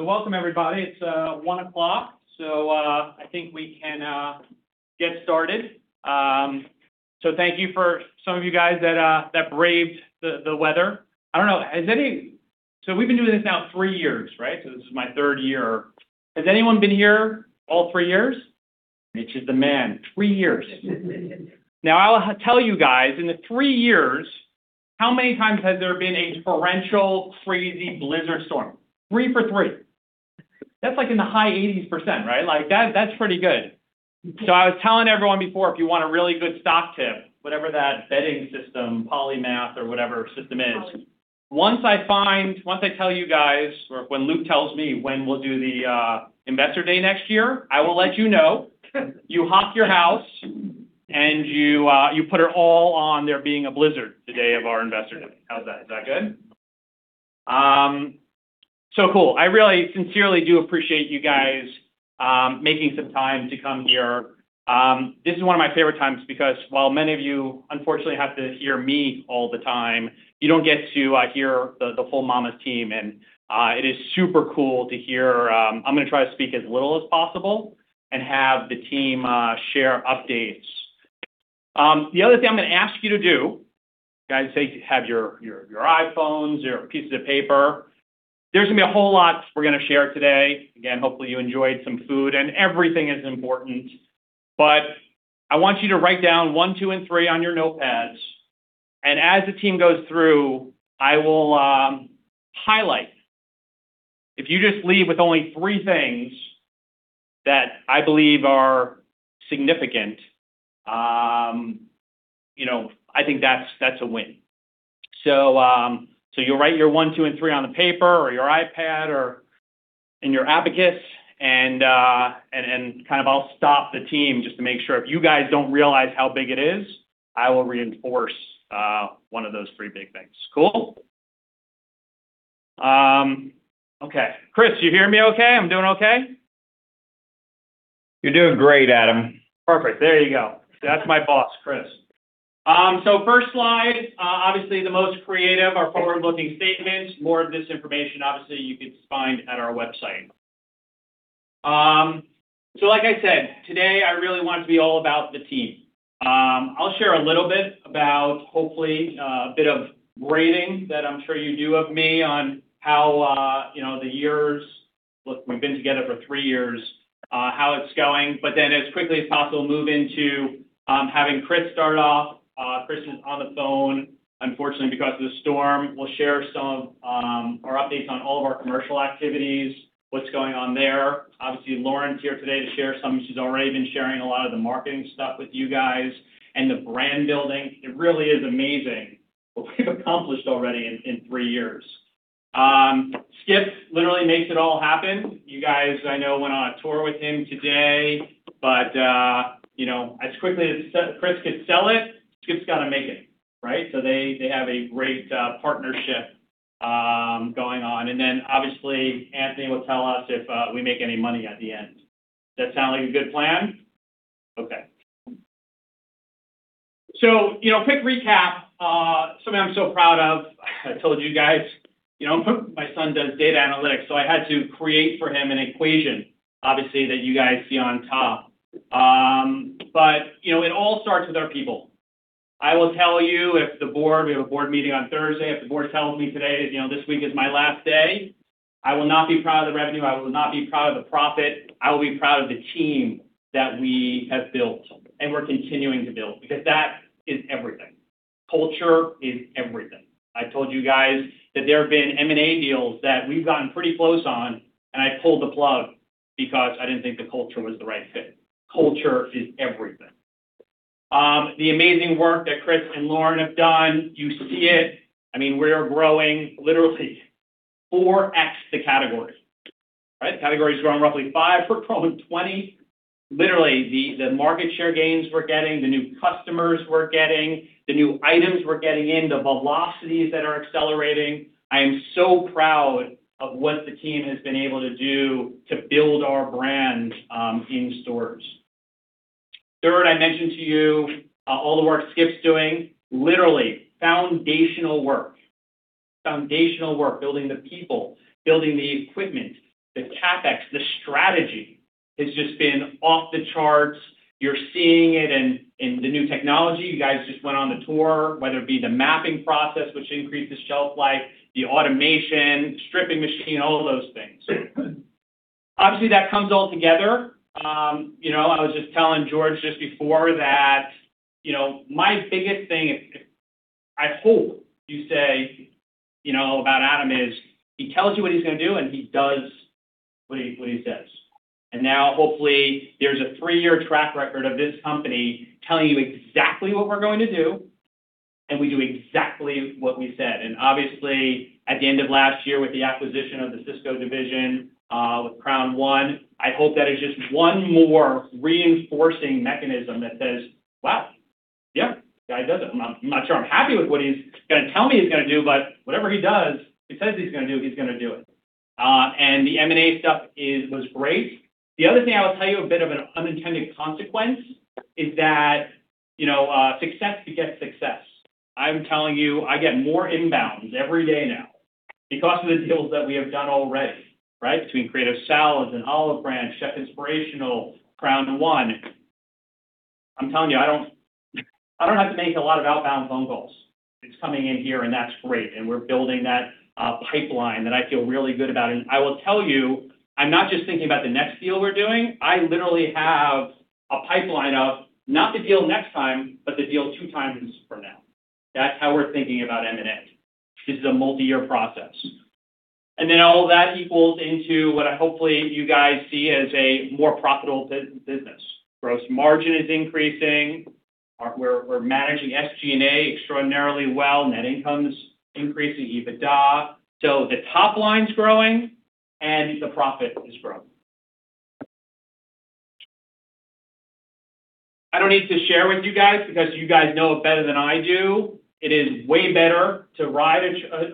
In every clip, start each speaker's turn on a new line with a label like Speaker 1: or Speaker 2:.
Speaker 1: Welcome, everybody. It's 1:00, I think we can get started. Thank you for some of you guys that braved the weather. I don't know, we've been doing this now three years, right? This is my 3rd year. Has anyone been here all three years? Mitch is the man, three years. I'll tell you guys, in the three years, how many times has there been a torrential, crazy blizzard storm? three for three. That's, like, in the high 80% right? Like, that's pretty good. I was telling everyone before, if you want a really good stock tip, whatever that betting system, polymath, or whatever system is. Once I tell you guys or when Luke tells me when we'll do the investor day next year, I will let you know. You hock your house, you put it all on there being a blizzard the day of our investor day. How's that? Is that good? Cool. I really sincerely do appreciate you guys making some time to come here. This is one of my favorite times because while many of you, unfortunately, have to hear me all the time, you don't get to hear the full Mama's team, it is super cool to hear. I'm gonna try to speak as little as possible and have the team share updates. The other thing I'm gonna ask you to do, guys, have your iPhones, your pieces of paper. There's gonna be a whole lot we're gonna share today. Again, hopefully, you enjoyed some food, and everything is important. I want you to write down one, two, and three on your notepads, and as the team goes through, I will highlight. If you just leave with only three things that I believe are significant, you know, I think that's a win. You'll write your one, two, and three on the paper or your iPad or in your abacus, and kind of I'll stop the team just to make sure. If you guys don't realize how big it is, I will reinforce 1 of those three big things. Cool? Okay. Chris, you hear me okay? I'm doing okay?
Speaker 2: You're doing great, Adam.
Speaker 1: Perfect. There you go. That's my boss, Chris. First slide, obviously, the most creative, our forward-looking statements. More of this information, obviously, you could find at our website. Like I said, today, I really want to be all about the team. I'll share a little bit about hopefully, a bit of grading that I'm sure you do of me on how, you know, the years... Look, we've been together for three years, how it's going, as quickly as possible, move into having Chris start off. Chris is on the phone, unfortunately, because of the storm. We'll share some, our updates on all of our commercial activities, what's going on there. Obviously, Lauren's here today to share some. She's already been sharing a lot of the marketing stuff with you guys and the brand building. It really is amazing what we've accomplished already in three years. Skip literally makes it all happen. You guys, I know, went on a tour with him today, but, you know, as quickly as Chris could sell it, Skip's got to make it, right? They, they have a great partnership, going on. Obviously, Anthony will tell us if we make any money at the end. Does that sound like a good plan? You know, quick recap, something I'm so proud of. I told you guys, you know, my son does data analytics, so I had to create for him an equation, obviously, that you guys see on top. You know, it all starts with our people. I will tell you, if the board, we have a board meeting on Thursday, if the board tells me today, you know, this week is my last day, I will not be proud of the revenue, I will not be proud of the profit, I will be proud of the team that we have built and we're continuing to build because that is everything. Culture is everything. I told you guys that there have been M&A deals that we've gotten pretty close on. I pulled the plug because I didn't think the culture was the right fit. Culture is everything. The amazing work that Chris and Lauren have done, you see it. I mean, we are growing literally 4x the category, right? The category is growing roughly five, we're growing 20. Literally, the market share gains we're getting, the new customers we're getting, the new items we're getting in, the velocities that are accelerating, I am so proud of what the team has been able to do to build our brand in stores. Third, I mentioned to you, all the work Skip's doing, literally foundational work. Foundational work, building the people, building the equipment, the CapEx, the strategy has just been off the charts. You're seeing it in the new technology. You guys just went on the tour, whether it be the mapping process, which increased the shelf life, the automation, stripping machine, all of those things. Obviously, that comes all together. You know, I was just telling George just before that, you know, my biggest thing, if I hope you say, you know, about Adam, is he tells you what he's gonna do, and he does what he says. Now, hopefully, there's a three-year track record of this company telling you exactly what we're going to do, and we do exactly what we said. Obviously, at the end of last year, with the acquisition of the Sysco division, with Crown I hope that is just one more reinforcing mechanism that says, "Wow! Yeah, the guy does it. I'm not, I'm not sure I'm happy with what he's gonna tell me he's gonna do, but whatever he does, he says he's gonna do, he's gonna do it." The M&A stuff is, was great. The other thing I will tell you, a bit of an unintended consequence, is that, you know, success begets success. I'm telling you, I get more inbounds every day now because of the deals that we have done already, right? Between Creative Salads, and Olive Branch, Chef Inspirational, Crown I. I'm telling you, I don't have to make a lot of outbound phone calls. It's coming in here, and that's great, and we're building that pipeline that I feel really good about. I will tell you, I'm not just thinking about the next deal we're doing. I literally have a pipeline of not the deal next time, but the deal two times from now. That's how we're thinking about M&A. This is a multi-year process. All of that equals into what I hopefully you guys see as a more profitable business. Gross margin is increasing, we're managing SG&A extraordinarily well. Net income is increasing EBITDA. The top line's growing, and the profit is growing. I don't need to share with you guys because you guys know it better than I do. It is way better to ride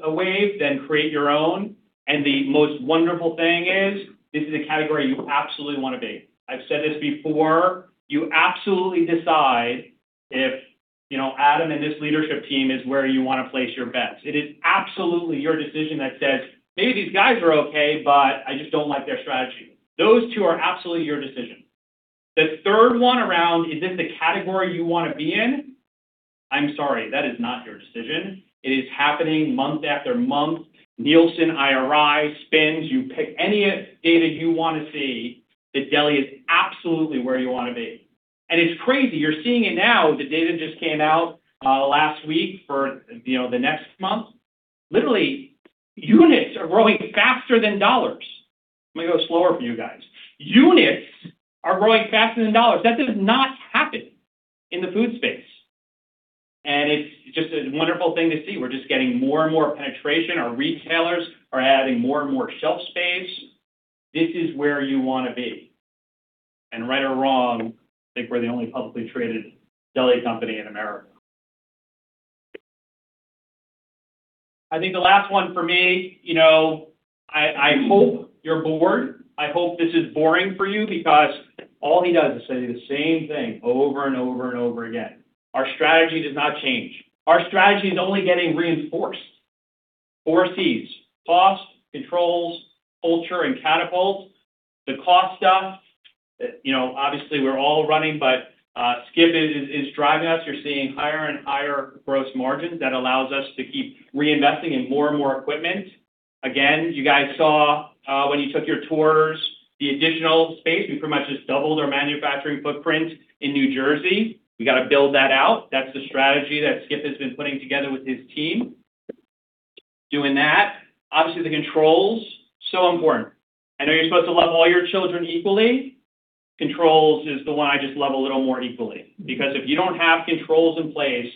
Speaker 1: a wave than create your own, and the most wonderful thing is, this is a category you absolutely wanna be. I've said this before, you absolutely decide if, you know, Adam, and this leadership team is where you wanna place your bets. It is absolutely your decision that says, "Maybe these guys are okay, but I just don't like their strategy." Those two are absolutely your decision. The third one around, is this the category you wanna be in? I'm sorry, that is not your decision. It is happening month after month. Nielsen, IRI, SPINS, you pick any data you want to see, that deli is absolutely where you want to be. It's crazy, you're seeing it now. The data just came out last week for, you know, the next month. Literally, units are growing faster than dollars. Let me go slower for you guys. Units are growing faster than dollars. That does not happen in the food space, and it's just a wonderful thing to see. We're just getting more and more penetration. Our retailers are adding more and more shelf space. This is where you want to be. Right or wrong, I think we're the only publicly traded deli company in America. I think the last one for me, you know, I hope you're bored. I hope this is boring for you because all he does is say the same thing over, and over, and over again. Our strategy does not change. Our strategy is only getting reinforced. 4Cs: Cost, Controls, Culture, and Catapults. The cost stuff, you know, obviously, we're all running, but Skip is driving us. You're seeing higher and higher gross margins that allows us to keep reinvesting in more and more equipment. Again, you guys saw, when you took your tours, the additional space. We pretty much just doubled our manufacturing footprint in New Jersey. We got to build that out. That's the strategy that Skip has been putting together with his team. Doing that, obviously, the controls, so important. I know you're supposed to love all your children equally. Controls is the one I just love a little more equally. If you don't have controls in place,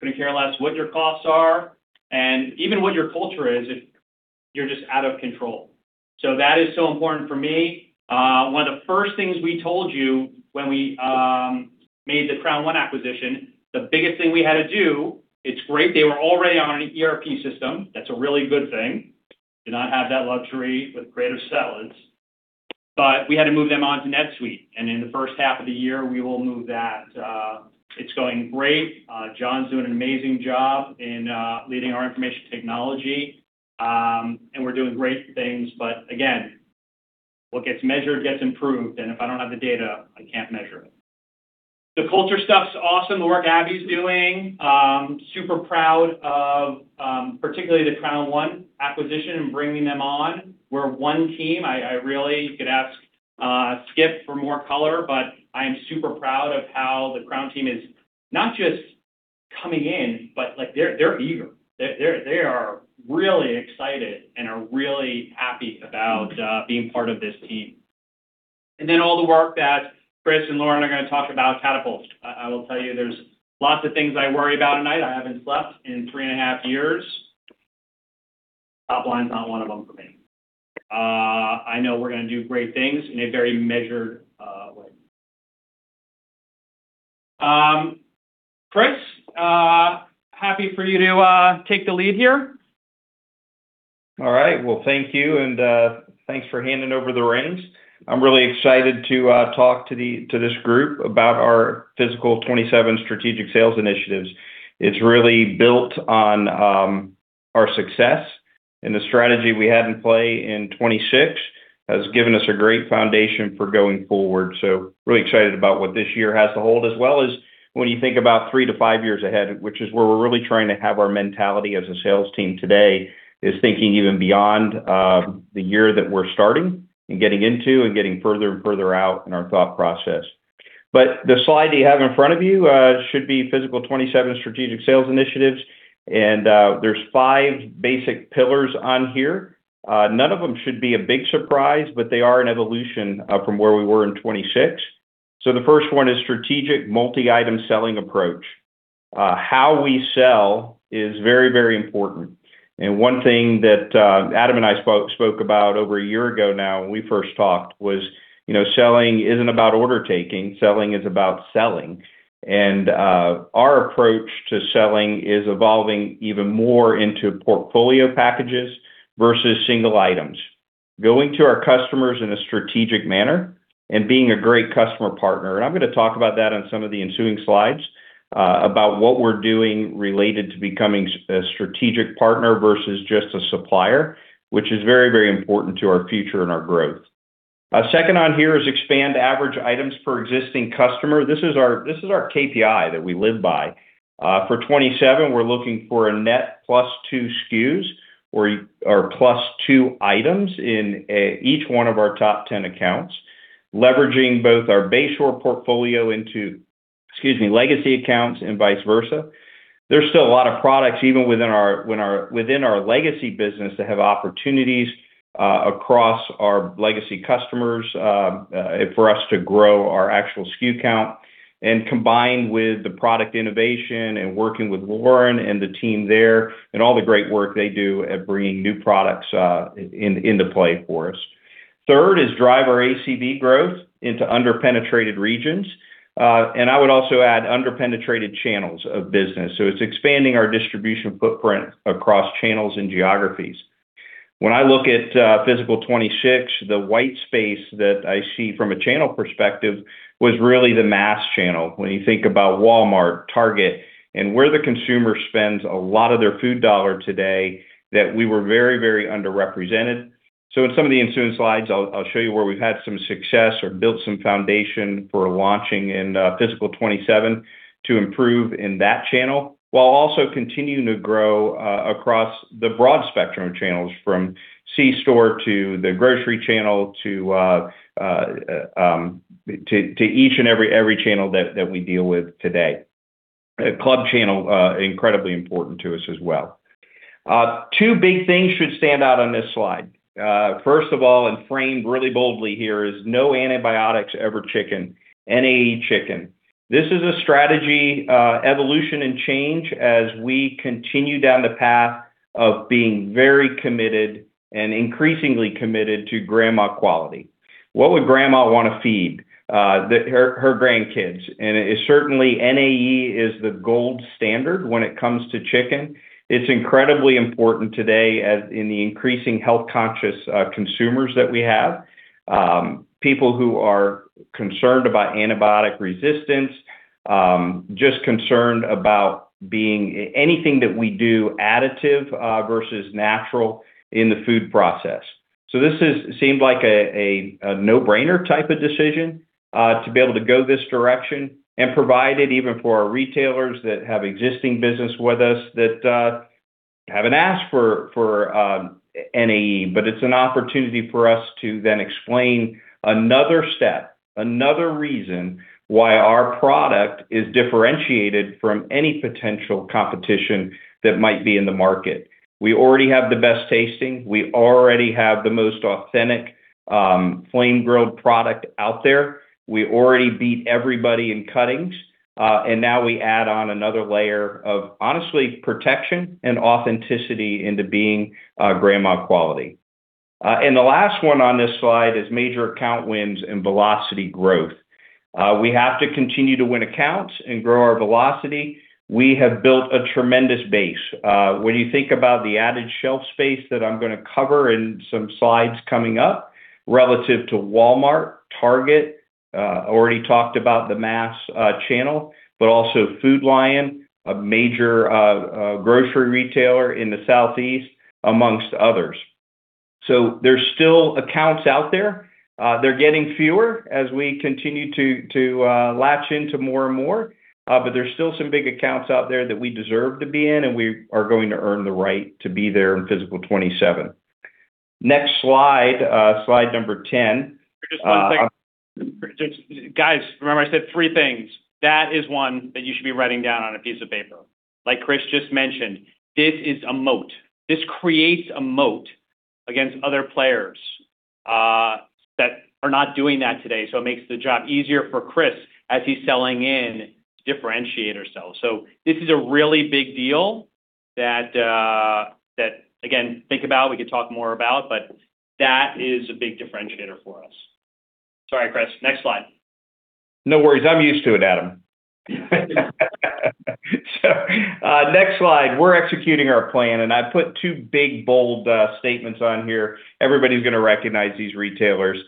Speaker 1: couldn't care less what your costs are, and even what your culture is if you're just out of control. That is so important for me. One of the first things we told you when we made the Crown I acquisition, the biggest thing we had to do, it's great they were already on an ERP system. That's a really good thing. Did not have that luxury with Creative Salads, we had to move them on to NetSuite, in the first half of the year, we will move that. It's going great. John's doing an amazing job in leading our information technology. We're doing great things. Again, what gets measured gets improved, if I don't have the data, I can't measure it. The culture stuff's awesome, the work Abby's doing. Super proud of particularly the Crown I acquisition bringing them on. We're one team. I really you could ask Skip for more color, but I am super proud of how the Crown team is not just coming in, but they're eager. They are really excited and are really happy about being part of this team. All the work that Chris and Lauren are gonna talk about, Catapult. I will tell you, there's lots of things I worry about tonight. I haven't slept in three and a half years. Top line is not one of them for me. I know we're gonna do great things in a very measured way. Chris, happy for you to take the lead here.
Speaker 2: All right. Well, thank you, and thanks for handing over the reins. I'm really excited to talk to this group about our Fiscal 2027 strategic sales initiatives. It's really built on our success, and the strategy we had in play in 2026 has given us a great foundation for going forward. Really excited about what this year has to hold, as well as when you think about three to five years ahead, which is where we're really trying to have our mentality as a sales team today, is thinking even beyond the year that we're starting and getting into and getting further and further out in our thought process. The slide that you have in front of you should be Fiscal 2027 strategic sales initiatives, and there's five basic pillars on here. None of them should be a big surprise, but they are an evolution from where we were in 26. The first one is strategic multi-item selling approach. How we sell is very, very important, and one thing that Adam and I spoke about over a year ago now, when we first talked was, you know, selling isn't about order taking, selling is about selling. Our approach to selling is evolving even more into portfolio packages versus single items. going to our customers in a strategic manner and being a great customer partner. I'm gonna talk about that on some of the ensuing slides about what we're doing related to becoming a strategic partner versus just a supplier, which is very, very important to our future and our growth. Second on here is expand average items per existing customer. This is our KPI that we live by. For 27, we're looking for a net +2 SKUs, or +2 items in each one of our top 10 accounts, leveraging both our Bayshore portfolio into, excuse me, legacy accounts, and vice versa. There's still a lot of products, even within our legacy business, that have opportunities across our legacy customers for us to grow our actual SKU count. Combined with the product innovation and working with Lauren and the team there, and all the great work they do at bringing new products into play for us. 3rd is drive our ACV growth into under-penetrated regions, and I would also add under-penetrated channels of business. It's expanding our distribution footprint across channels and geographies. When I look at fiscal 26, the white space that I see from a channel perspective was really the mass channel. When you think about Walmart, Target, and where the consumer spends a lot of their food dollar today, that we were very, very underrepresented. In some of the ensuing slides, I'll show you where we've had some success or built some foundation for launching in fiscal 27 to improve in that channel, while also continuing to grow across the broad spectrum of channels, from C-store to the grocery channel to each and every channel that we deal with today. The club channel, incredibly important to us as well. Two big things should stand out on this slide. First of all, and framed really boldly here, is no antibiotics ever chicken, NAE chicken. This is a strategy, evolution, and change as we continue down the path of being very committed and increasingly committed to Grandma Quality. What would Grandma want to feed her grandkids? And it, certainly, NAE is the gold standard when it comes to chicken. It's incredibly important today as in the increasing health-conscious consumers that we have. People who are concerned about antibiotic resistance, just concerned about being anything that we do, additive versus natural in the food process. This seemed like a, a no-brainer type of decision to be able to go this direction and provide it even for our retailers that have existing business with us, that haven't asked for NAE. It's an opportunity for us to then explain another step, another reason why our product is differentiated from any potential competition that might be in the market. We already have the best tasting, we already have the most authentic, flame-grilled product out there, we already beat everybody in cuttings, and now we add on another layer of, honestly, protection and authenticity into being, Grandma Quality. The last one on this slide is major account wins and velocity growth. We have to continue to win accounts and grow our velocity. We have built a tremendous base. When you think about the added shelf space that I'm gonna cover in some slides coming up, relative to Walmart, Target, already talked about the mass channel, but also Food Lion, a major grocery retailer in the Southeast, amongst others. There's still accounts out there. They're getting fewer as we continue to latch into more and more, there's still some big accounts out there that we deserve to be in, and we are going to earn the right to be there in Fiscal 2027. Next slide number 10.
Speaker 1: Just one second. Guys, remember I said three things. That is one that you should be writing down on a piece of paper. Like Chris just mentioned, this is a moat. This creates a moat against other players, that are not doing that today. It makes the job easier for Chris as he's selling in differentiator cells. This is a really big deal that, again, think about, we could talk more about, but that is a big differentiator for us. Sorry, Chris. Next slide.
Speaker 2: No worries. I'm used to it, Adam. next slide, we're executing our plan, and I put two big, bold statements on here. Everybody's gonna recognize these retailers.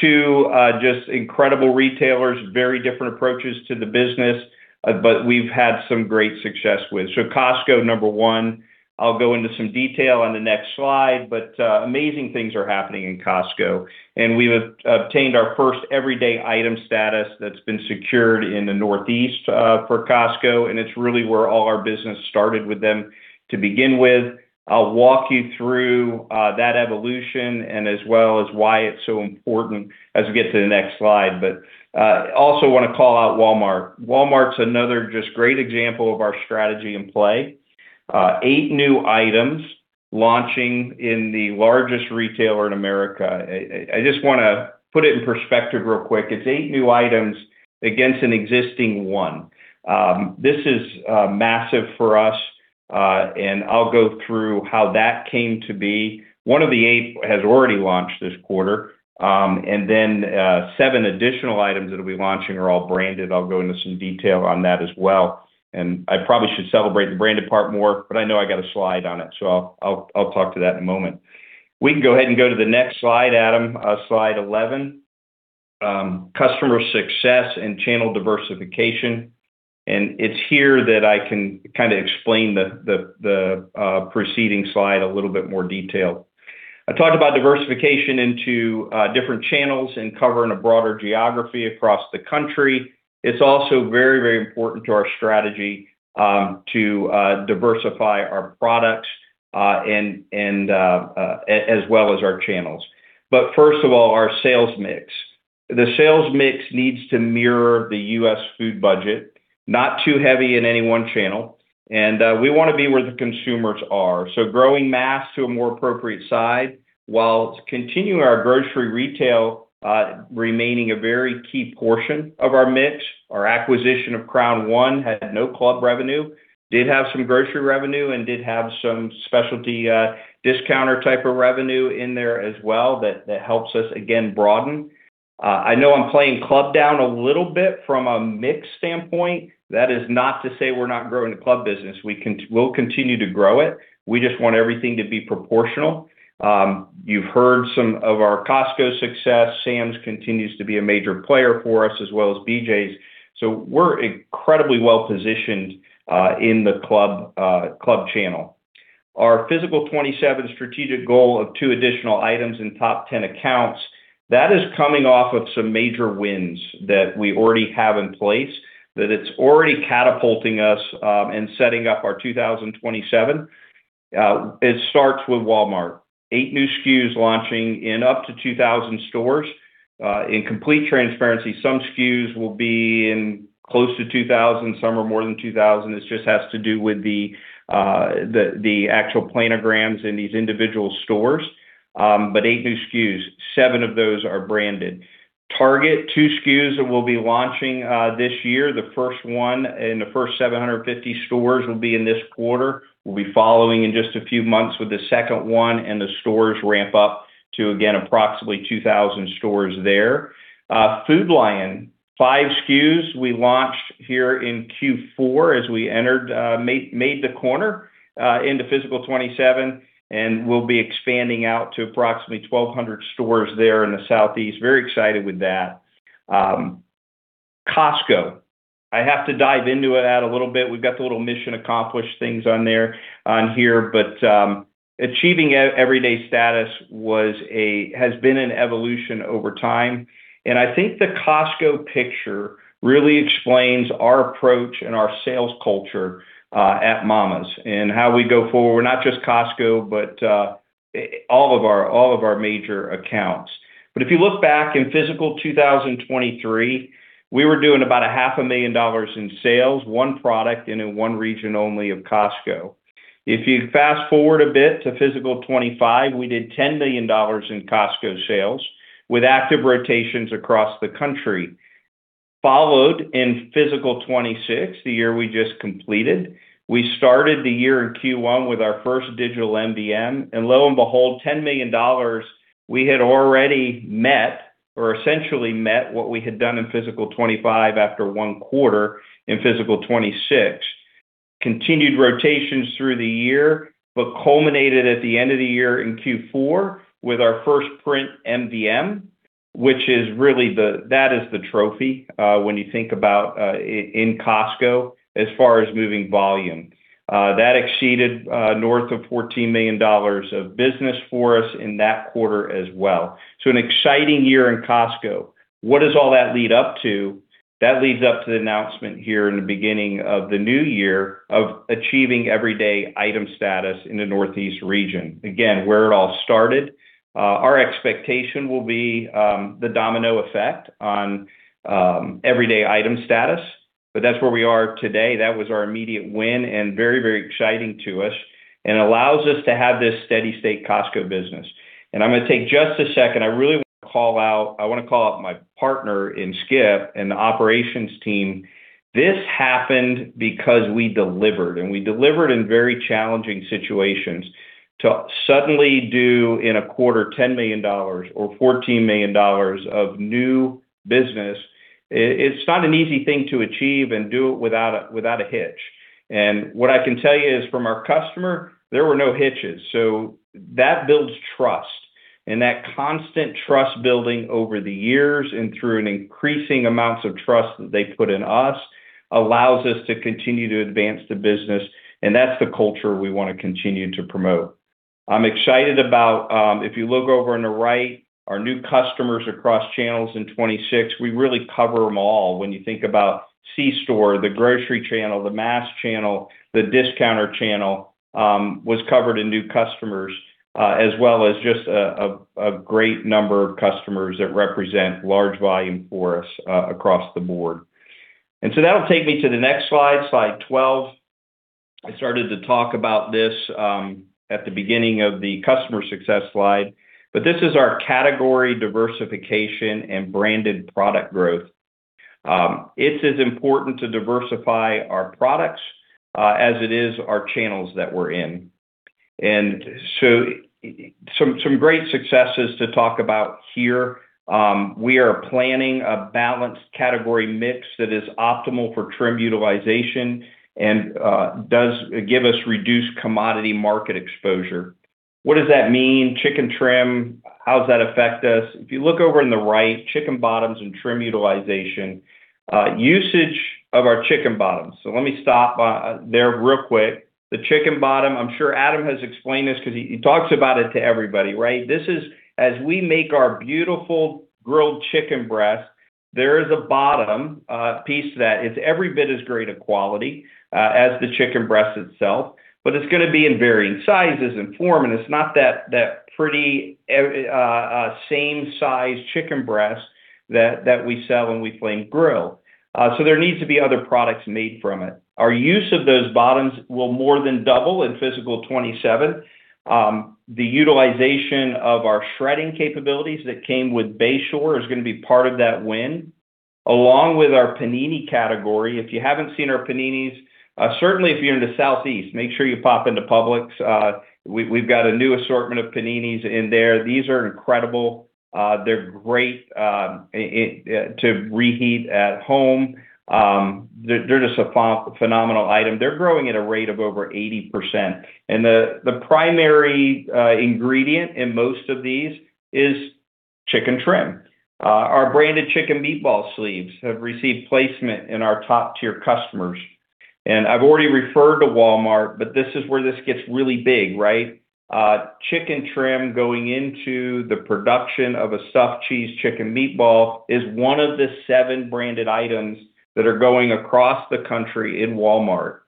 Speaker 2: two, just incredible retailers, very different approaches to the business, but we've had some great success with. Costco, number one, I'll go into some detail on the next slide, but amazing things are happening in Costco, and we've obtained our first everyday item status that's been secured in the Northeast for Costco, and it's really where all our business started with them to begin with. I'll walk you through that evolution and as well as why it's so important as we get to the next slide. I also want to call out Walmart. Walmart's another just great example of our strategy in play. Eight new items launching in the largest retailer in America. I just wanna put it in perspective real quick. It's eight new items against an existing one. This is massive for us, and I'll go through how that came to be. One of the eight has already launched this quarter, and then seven additional items that'll be launching are all branded. I'll go into some detail on that as well. I probably should celebrate the branded part more, but I know I got a slide on it, so I'll talk to that in a moment. We can go ahead and go to the next slide, Adam, slide 11. Customer success and channel diversification, and it's here that I can kind of explain the preceding slide a little bit more detail. I talked about diversification into different channels and covering a broader geography across the country. It's also very, very important to our strategy to diversify our products and as well as our channels. First of all, our sales mix. The sales mix needs to mirror the U.S. food budget, not too heavy in any one channel, and we wanna be where the consumers are. Growing mass to a more appropriate size, while continuing our grocery retail remaining a very key portion of our mix. Our acquisition of Crown I had no club revenue, did have some grocery revenue, and did have some specialty discounter type of revenue in there as well, that helps us again, broaden. I know I'm playing club down a little bit from a mix standpoint. That is not to say we're not growing the club business. We'll continue to grow it. We just want everything to be proportional. You've heard some of our Costco success. Sam's continues to be a major player for us, as well as BJ's. We're incredibly well positioned in the club channel. Our Fiscal 2027 strategic goal of twp additional items in top 10 accounts, that is coming off of some major wins that we already have in place, that it's already catapulting us and setting up our 2027. It starts with Walmart. eight new SKUs launching in up to 2,000 stores. In complete transparency, some SKUs will be in close to 2,000, some are more than 2,000. This just has to do with the actual planograms in these individual stores. Eight new SKUs, seven of those are branded. Target, two SKUs that we'll be launching this year. The first one in the first 750 stores will be in this quarter. We'll be following in just a few months with the second one, and the stores ramp up to, again, approximately 2,000 stores there. Food Lion, five SKUs we launched here in Q4 as we entered, made the corner into Fiscal 2027, and we'll be expanding out to approximately 1,200 stores there in the Southeast. Very excited with that. Costco, I have to dive into it out a little bit. We've got the little mission accomplished things on there, on here, but achieving e-everyday status has been an evolution over time, and I think the Costco picture really explains our approach and our sales culture at Mama's and how we go forward, not just Costco, but all of our major accounts. If you look back in Fiscal 2023, we were doing about a half a million dollars in sales, one product and in one region only of Costco. If you fast forward a bit to Fiscal 2025, we did $10 million in Costco sales with active rotations across the country. Followed in Fiscal 2026, the year we just completed, we started the year in Q1 with our first digital MBM, and lo and behold, $10 million we had already met or essentially met what we had done in Fiscal 2025 after one quarter in Fiscal 2026. Continued rotations through the year, but culminated at the end of the year in Q4 with our first print MBM, which is really that is the trophy when you think about in Costco as far as moving volume. That exceeded north of $14 million of business for us in that quarter as well. An exciting year in Costco. What does all that lead up to? That leads up to the announcement here in the beginning of the new year of achieving everyday item status in the northeast region. Again, where it all started, our expectation will be the domino effect on everyday item status, that's where we are today. That was our immediate win and very exciting to us, and allows us to have this steady state Costco business. I'm gonna take just a second. I really wanna call out my partner in Skip and the operations team. This happened because we delivered, we delivered in very challenging situations. To suddenly do in a quarter, $10 million or $14 million of new business, it's not an easy thing to achieve and do it without a hitch. What I can tell you is from our customer, there were no hitches, that builds trust. That constant trust building over the years and through an increasing amounts of trust that they put in us, allows us to continue to advance the business, and that's the culture we wanna continue to promote. I'm excited about, if you look over on the right, our new customers across channels in 26, we really cover them all. When you think about C-store, the grocery channel, the mass channel, the discounter channel, was covered in new customers, as well as just a great number of customers that represent large volume for us across the board. That'll take me to the next slide 12. I started to talk about this at the beginning of the customer success slide, but this is our category diversification and branded product growth. It's as important to diversify our products as it is our channels that we're in. Some great successes to talk about here. We are planning a balanced category mix that is optimal for trim utilization and does give us reduced commodity market exposure. What does that mean, chicken trim? How does that affect us? If you look over on the right, chicken bottoms and trim utilization, usage of our chicken bottoms. Let me stop there real quick. The chicken bottom, I'm sure Adam has explained this 'cause he talks about it to everybody, right? This is, as we make our beautiful grilled chicken breast, there is a bottom piece that is every bit as great a quality as the chicken breast itself, but it's gonna be in varying sizes and form, and it's not that pretty same size chicken breast that we sell when we flame grill. There needs to be other products made from it. Our use of those bottoms will more than double in Fiscal 2027. The utilization of our shredding capabilities that came with Bayshore is gonna be part of that win, along with our Paninis category. If you haven't seen our Paninis, certainly if you're in the Southeast, make sure you pop into Publix. We've got a new assortment of Paninis in there. These are incredible. They're great to reheat at home. They're just a phenomenal item. They're growing at a rate of over 80%. The primary ingredient in most of these is chicken trim. Our branded chicken meatball sleeves have received placement in our top-tier customers. I've already referred to Walmart, this is where this gets really big, right? Chicken trim going into the production of a Cheese Stuffed Chicken Meatball is one of the seven branded items that are going across the country in Walmart.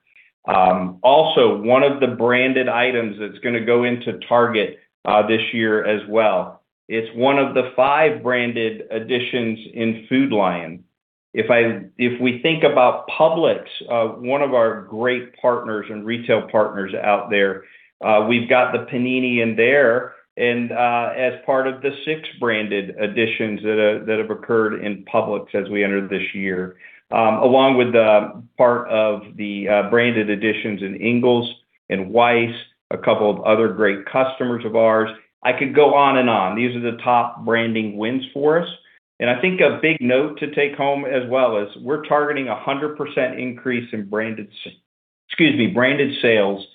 Speaker 2: Also one of the branded items that's gonna go into Target this year as well. It's one of the five branded additions in Food Lion. If we think about Publix, one of our great partners and retail partners out there, we've got the panini in there, and as part of the six branded additions that have occurred in Publix as we entered this year. Along with the part of the branded additions in Ingles and Weis, a couple of other great customers of ours, I could go on and on. These are the top branding wins for us, and I think a big note to take home as well is, we're targeting a 100% increase in branded sales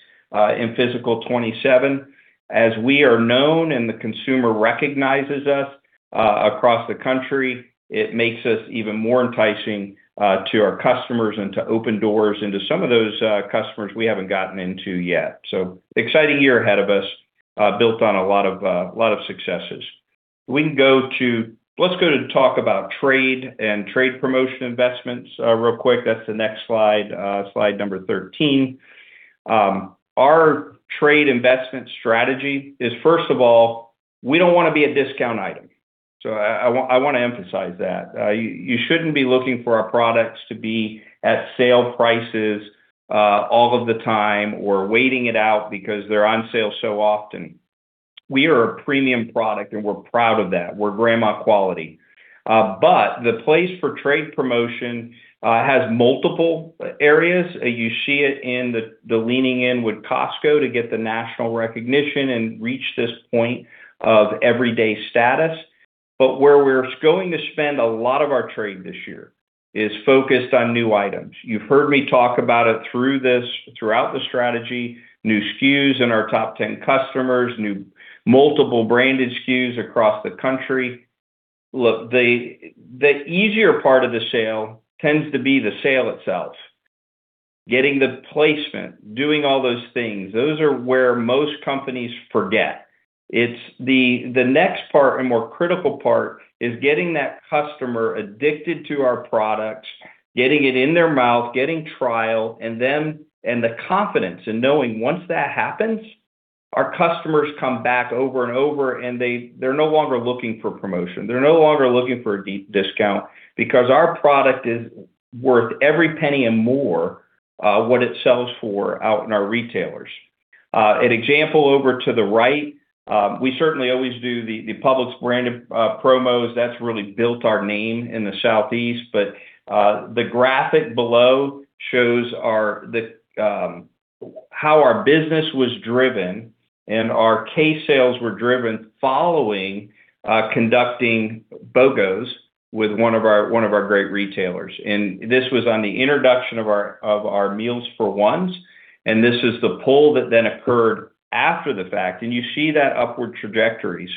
Speaker 2: in Fiscal 2027. As we are known and the consumer recognizes us across the country, it makes us even more enticing to our customers and to open doors into some of those customers we haven't gotten into yet. Exciting year ahead of us, built on a lot of, a lot of successes. Let's go to talk about trade and trade promotion investments, real quick. That's the next slide number 13. Our trade investment strategy is, first of all, we don't wanna be a discount item. I wanna emphasize that. You shouldn't be looking for our products to be at sale prices, all of the time or waiting it out because they're on sale so often. We are a premium product, and we're proud of that. We're Grandma Quality. The place for trade promotion has multiple areas. You see it in the leaning in with Costco to get the national recognition and reach this point of everyday status. Where we're going to spend a lot of our trade this year is focused on new items. You've heard me talk about it through this, throughout the strategy, new SKUs in our top 10 customers, new multiple branded SKUs across the country. Look, the easier part of the sale tends to be the sale itself. Getting the placement, doing all those things, those are where most companies forget. It's the next part and more critical part is getting that customer addicted to our products, getting it in their mouth, getting trial, and the confidence in knowing once that happens, our customers come back over and over, and they're no longer looking for promotion. They're no longer looking for a deep discount because our product is worth every penny and more what it sells for out in our retailers. An example over to the right, we certainly always do the Publix brand promos. That's really built our name in the Southeast, but the graphic below shows how our business was driven and our case sales were driven following conducting BOGOs with one of our, one of our great retailers. This was on the introduction of our, of our Meals for Ones, and this is the poll that then occurred after the fact, and you see that upward trajectory.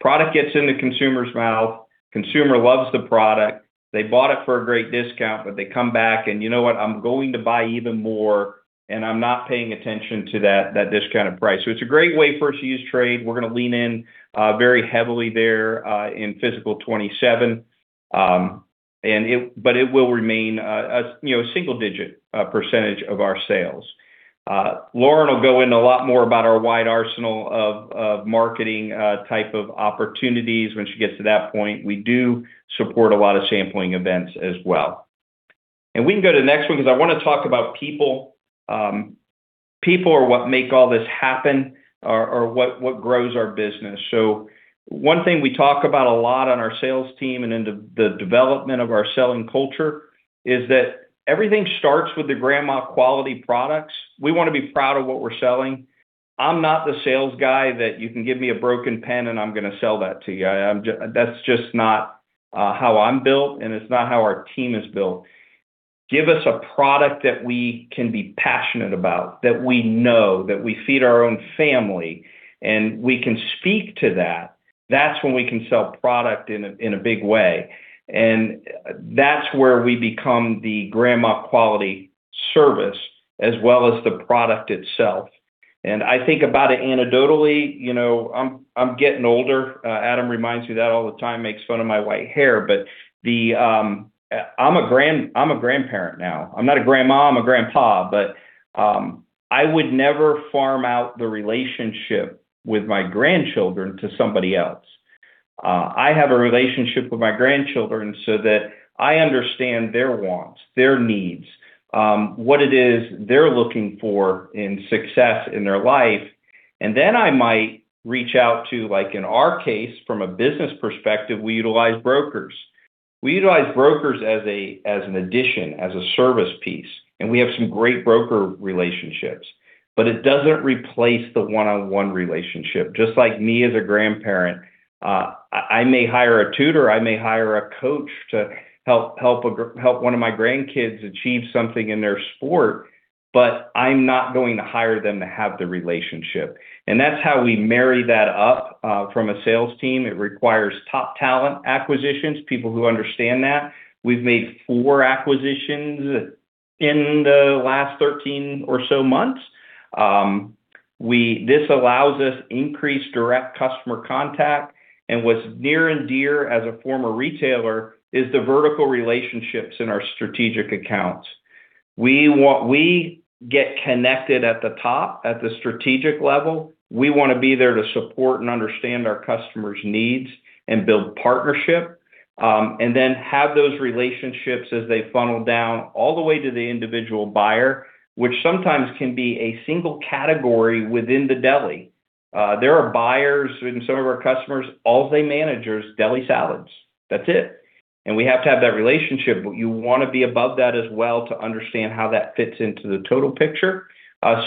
Speaker 2: Product gets in the consumer's mouth, consumer loves the product. They bought it for a great discount, but they come back, and you know what? I'm going to buy even more, and I'm not paying attention to that discounted price. It's a great way for us to use trade. We're gonna lean in, very heavily there, in Fiscal 2027. But it will remain a, you know, a single-digit percentage of our sales. Lauren will go into a lot more about our wide arsenal of marketing type of opportunities when she gets to that point. We do support a lot of sampling events as well. We can go to the next one 'cause I wanna talk about people. People are what make all this happen or what grows our business. One thing we talk about a lot on our sales team and in the development of our selling culture is that everything starts with the Grandma Quality products. We wanna be proud of what we're selling. I'm not the sales guy that you can give me a broken pen, and I'm gonna sell that to you. That's just not how I'm built, and it's not how our team is built. Give us a product that we can be passionate about, that we know, that we feed our own family, and we can speak to that. That's when we can sell product in a, in a big way, and that's where we become the Grandma Quality service, as well as the product itself. I think about it anecdotally, you know, I'm getting older. Adam reminds me that all the time, makes fun of my white hair, but the, I'm a grandparent now. I'm not a grandma, I'm a grandpa, but I would never farm out the relationship with my grandchildren to somebody else. I have a relationship with my grandchildren so that I understand their wants, their needs, what it is they're looking for in success in their life. I might reach out to, in our case, from a business perspective, we utilize brokers. We utilize brokers as an addition, as a service piece, and we have some great broker relationships, but it doesn't replace the one-on-one relationship. Just like me, as a grandparent, I may hire a tutor, I may hire a coach to help one of my grandkids achieve something in their sport, but I'm not going to hire them to have the relationship. That's how we marry that up from a sales team. It requires top talent acquisitions, people who understand that. We've made four acquisitions in the last 13 or so months. This allows us increased direct customer contact, and what's near and dear as a former retailer, is the vertical relationships in our strategic accounts. We get connected at the top, at the strategic level. We wanna be there to support and understand our customers' needs and build partnership, and then have those relationships as they funnel down all the way to the individual buyer, which sometimes can be a single category within the deli. There are buyers in some of our customers, all day managers, deli salads. That's it. We have to have that relationship. You wanna be above that as well to understand how that fits into the total picture.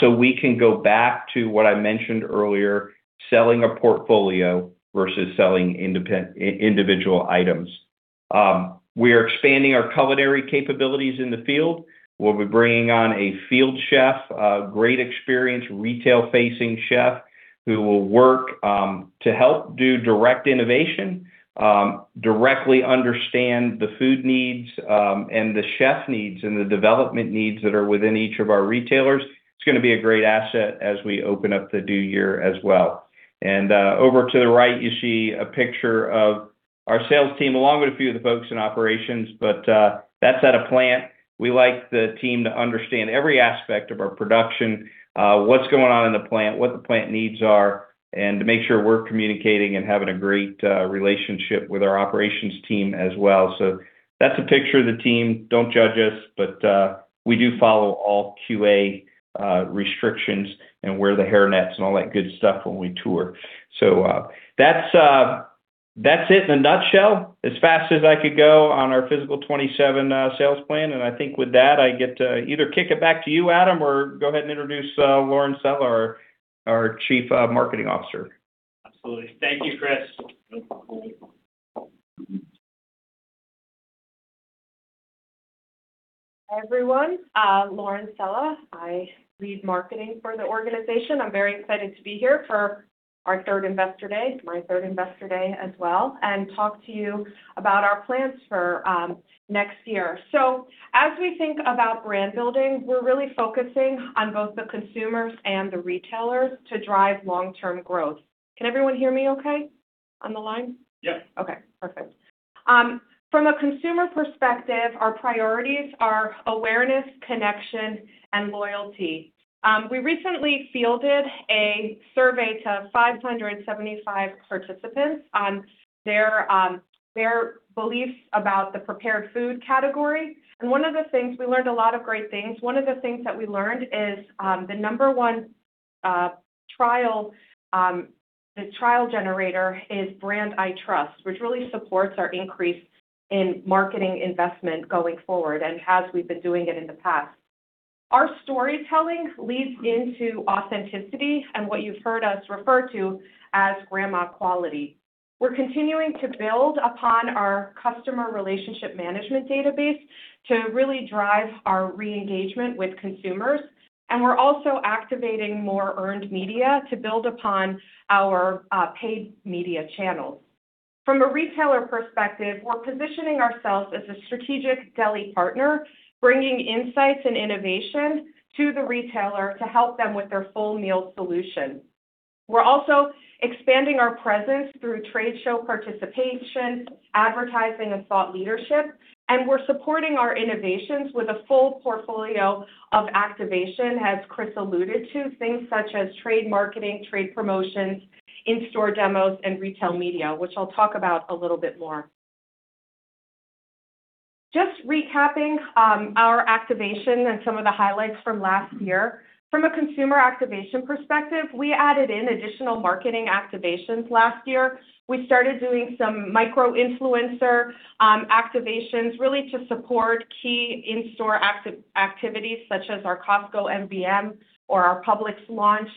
Speaker 2: We can go back to what I mentioned earlier, selling a portfolio versus selling individual items. We are expanding our culinary capabilities in the field. We'll be bringing on a field chef, a great experienced retail-facing chef, who will work to help do direct innovation, directly understand the food needs, and the chef needs, and the development needs that are within each of our retailers. It's gonna be a great asset as we open up the new year as well. Over to the right, you see a picture of our sales team, along with a few of the folks in operations, but that's at a plant. We like the team to understand every aspect of our production, what's going on in the plant, what the plant needs are, and to make sure we're communicating and having a great relationship with our operations team as well. That's a picture of the team. Don't judge us, but we do follow all QA restrictions and wear the hair nets and all that good stuff when we tour. That's it in a nutshell. As fast as I could go on our Fiscal 2027 sales plan. I think with that, I get to either kick it back to you, Adam, or go ahead and introduce Lauren Sella, our Chief Marketing Officer.
Speaker 1: Absolutely. Thank you, Chris.
Speaker 3: Everyone, Lauren Sella, I lead marketing for the organization. I'm very excited to be here for our third Investor Day, my third Investor Day as well, and talk to you about our plans for next year. As we think about brand building, we're really focusing on both the consumers and the retailers to drive long-term growth. Can everyone hear me okay on the line?
Speaker 2: Yes.
Speaker 3: Okay, perfect. From a consumer perspective, our priorities are awareness, connection, and loyalty. We recently fielded a survey to 575 participants on their beliefs about the prepared food category, and one of the things... We learned a lot of great things. One of the things that we learned is, the number one trial, the trial generator is brand I trust, which really supports our increase in marketing investment going forward, and as we've been doing it in the past. Our storytelling leads into authenticity and what you've heard us refer to as Grandma Quality. We're continuing to build upon our customer relationship management database to really drive our re-engagement with consumers, and we're also activating more earned media to build upon our paid media channels. From a retailer perspective, we're positioning ourselves as a strategic deli partner, bringing insights and innovation to the retailer to help them with their full meal solution. We're also expanding our presence through trade show participation, advertising, and thought leadership. We're supporting our innovations with a full portfolio of activation, as Chris alluded to, things such as trade marketing, trade promotions, in-store demos, and retail media, which I'll talk about a little bit more. Just recapping our activation and some of the highlights from last year. From a consumer activation perspective, we added in additional marketing activations last year. We started doing some micro-influencer activations, really to support key in-store activities, such as our Costco MVM or our Publix launch.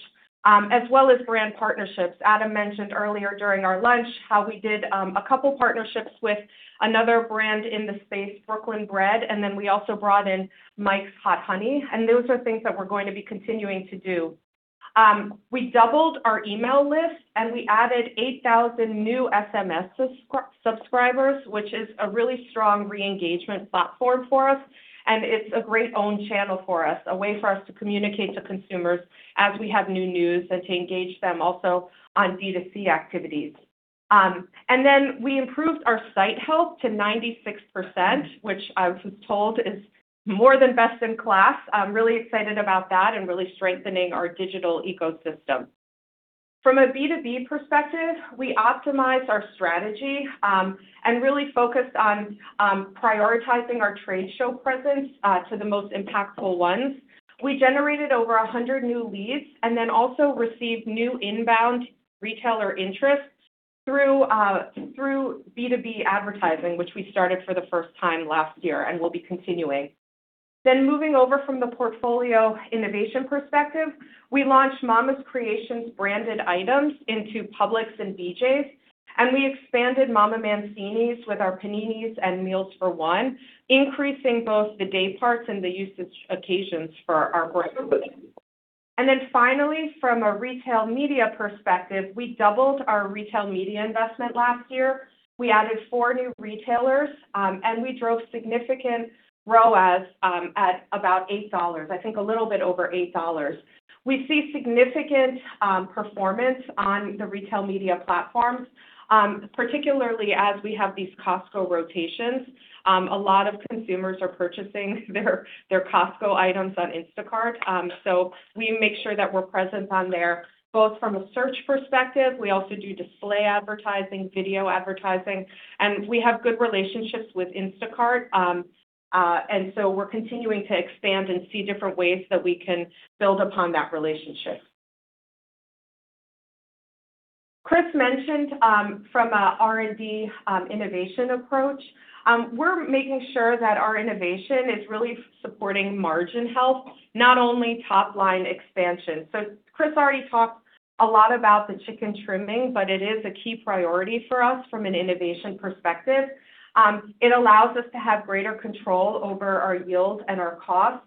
Speaker 3: As well as brand partnerships. Adam mentioned earlier during our lunch how we did a couple partnerships with another brand in the space, Brooklyn Bred. We also brought in Mike's Hot Honey. Those are things that we're going to be continuing to do. We doubled our email list. We added 8,000 new SMS subscribers, which is a really strong re-engagement platform for us. It's a great own channel for us, a way for us to communicate to consumers as we have new news. To engage them also on D2C activities. We improved our site health to 96%, which I was told is more than best in class. I'm really excited about that. Really strengthening our digital ecosystem. From a B2B perspective, we optimized our strategy and really focused on prioritizing our trade show presence to the most impactful ones. We generated over 100 new leads, and then also received new inbound retailer interest through B2B advertising, which we started for the first time last year, and we'll be continuing. Moving over from the portfolio innovation perspective, we launched Mama's Creations branded items into Publix and BJ's, and we expanded Mama Mancini's with our Paninis and Meals for One, increasing both the day parts and the usage occasions for our brand. Finally, from a retail media perspective, we doubled our retail media investment last year. We added four new retailers, and we drove significant ROAS at about $8, I think a little bit over $8. We see significant performance on the retail media platforms, particularly as we have these Costco rotations. A lot of consumers are purchasing their Costco items on Instacart, so we make sure that we're present on there, both from a search perspective, we also do display advertising, video advertising, and we have good relationships with Instacart. We're continuing to expand and see different ways that we can build upon that relationship. Chris mentioned, from a R&D innovation approach, we're making sure that our innovation is really supporting margin health, not only top-line expansion. Chris already talked a lot about the chicken trimming, but it is a key priority for us from an innovation perspective. It allows us to have greater control over our yield and our costs.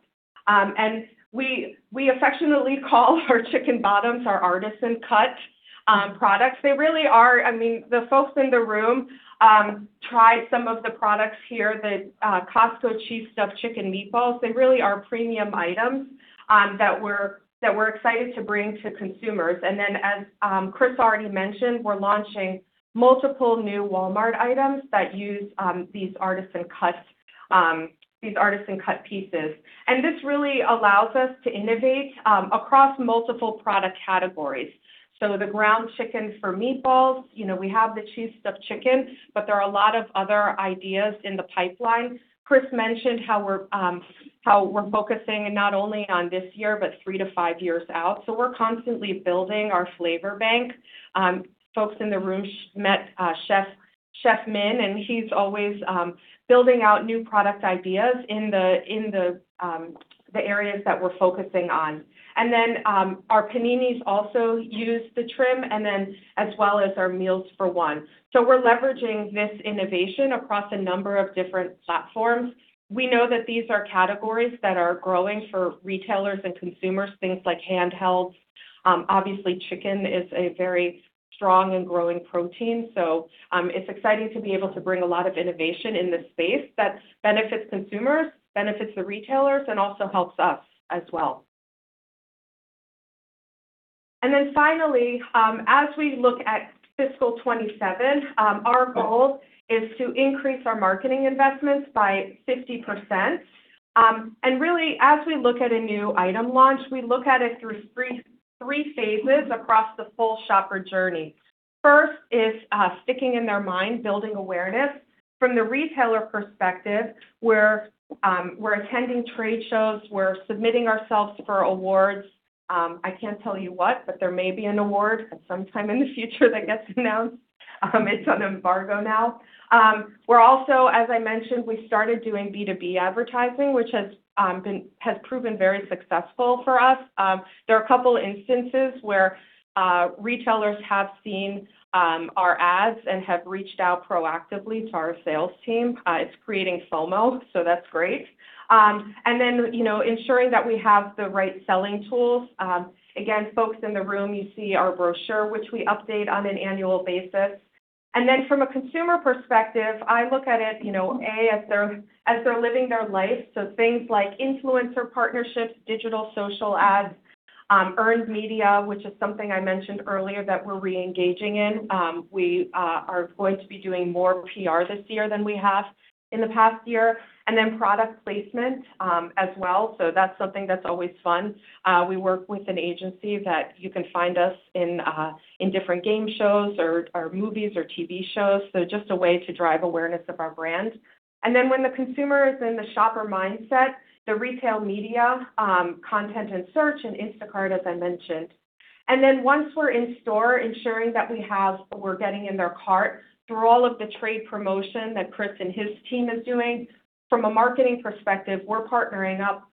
Speaker 3: We affectionately call our chicken bottoms our artisan cut products. They really are... I mean, the folks in the room tried some of the products here, the Costco Cheese Stuffed Chicken Meatballs. They really are premium items that we're excited to bring to consumers. As Chris already mentioned, we're launching multiple new Walmart items that use these artisan cut pieces. This really allows us to innovate across multiple product categories. The ground chicken for meatballs, you know, we have the cheese stuffed chicken, but there are a lot of other ideas in the pipeline. Chris mentioned how we're focusing not only on this year, but 3-5 years out, we're constantly building our flavor bank. Folks in the room met Chef Minn, he's always building out new product ideas in the areas that we're focusing on. Our Paninis also use the trim, as well as our Meals for One. We're leveraging this innovation across a number of different platforms. We know that these are categories that are growing for retailers and consumers, things like handhelds. Obviously, chicken is a very strong and growing protein, it's exciting to be able to bring a lot of innovation in this space that benefits consumers, benefits the retailers, and also helps us as well. Finally, as we look at Fiscal 2027, our goal is to increase our marketing investments by 50%. Really, as we look at a new item launch, we look at it through three phases across the full shopper journey. First is sticking in their mind, building awareness. From the retailer perspective, we're attending trade shows, we're submitting ourselves for awards. I can't tell you what, there may be an award at sometime in the future that gets announced. It's on embargo now. We're also, as I mentioned, we started doing B2B advertising, which has proven very successful for us. There are a couple instances where retailers have seen our ads and have reached out proactively to our sales team. It's creating FOMO, that's great. You know, ensuring that we have the right selling tools. Again, folks in the room, you see our brochure, which we update on an annual basis. From a consumer perspective, I look at it, you know, A, as they're, as they're living their life, so things like influencer partnerships, digital social ads, earned media, which is something I mentioned earlier, that we're re-engaging in. We are going to be doing more PR this year than we have in the past year. Product placement, as well, so that's something that's always fun. We work with an agency that you can find us in different game shows or movies or TV shows, so just a way to drive awareness of our brand. When the consumer is in the shopper mindset, the retail media, content and search, and Instacart, as I mentioned. Once we're in store, ensuring that we're getting in their cart through all of the trade promotion that Chris and his team is doing. From a marketing perspective, we're partnering up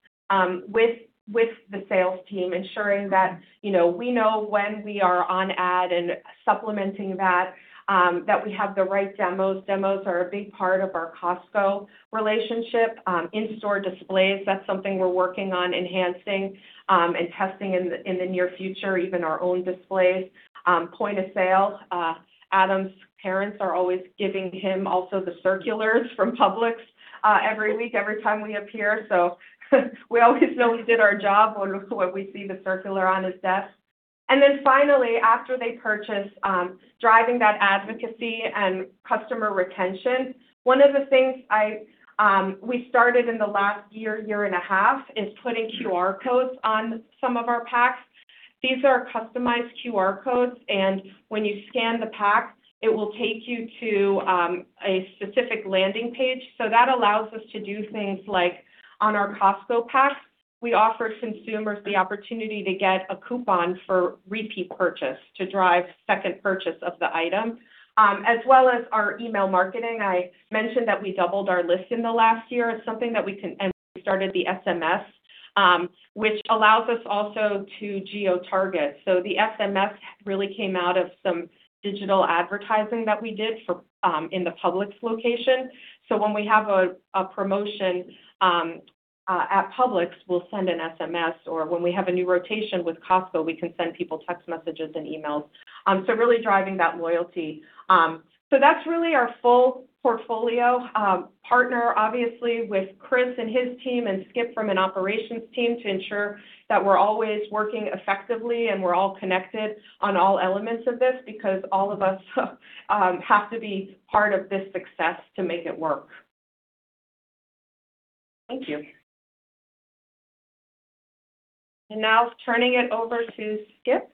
Speaker 3: with the sales team, ensuring that, you know, we know when we are on ad and supplementing that we have the right demos. Demos are a big part of our Costco relationship. In-store displays, that's something we're working on enhancing, and testing in the, in the near future, even our own displays. Point of sale, Adam's parents are always giving him also the circulars from Publix, every week, every time we appear. We always know we did our job when we see the circular on his desk. Finally, after they purchase, driving that advocacy and customer retention, one of the things I, we started in the last year, 1.5 years, is putting QR codes on some of our packs. These are customized QR codes, and when you scan the pack, it will take you to a specific landing page. That allows us to do things like on our Costco packs, we offer consumers the opportunity to get a coupon for repeat purchase, to drive second purchase of the item. As well as our email marketing. I mentioned that we doubled our list in the last year. It's something that we started the SMS, which allows us also to geo-target. The SMS really came out of some digital advertising that we did for in the Publix location. When we have a promotion at Publix, we'll send an SMS, or when we have a new rotation with Costco, we can send people text messages and emails. Really driving that loyalty. That's really our full portfolio. Partner, obviously, with Chris and his team, and Skip from an operations team, to ensure that we're always working effectively and we're all connected on all elements of this, because all of us have to be part of this success to make it work. Thank you. Now turning it over to Skip.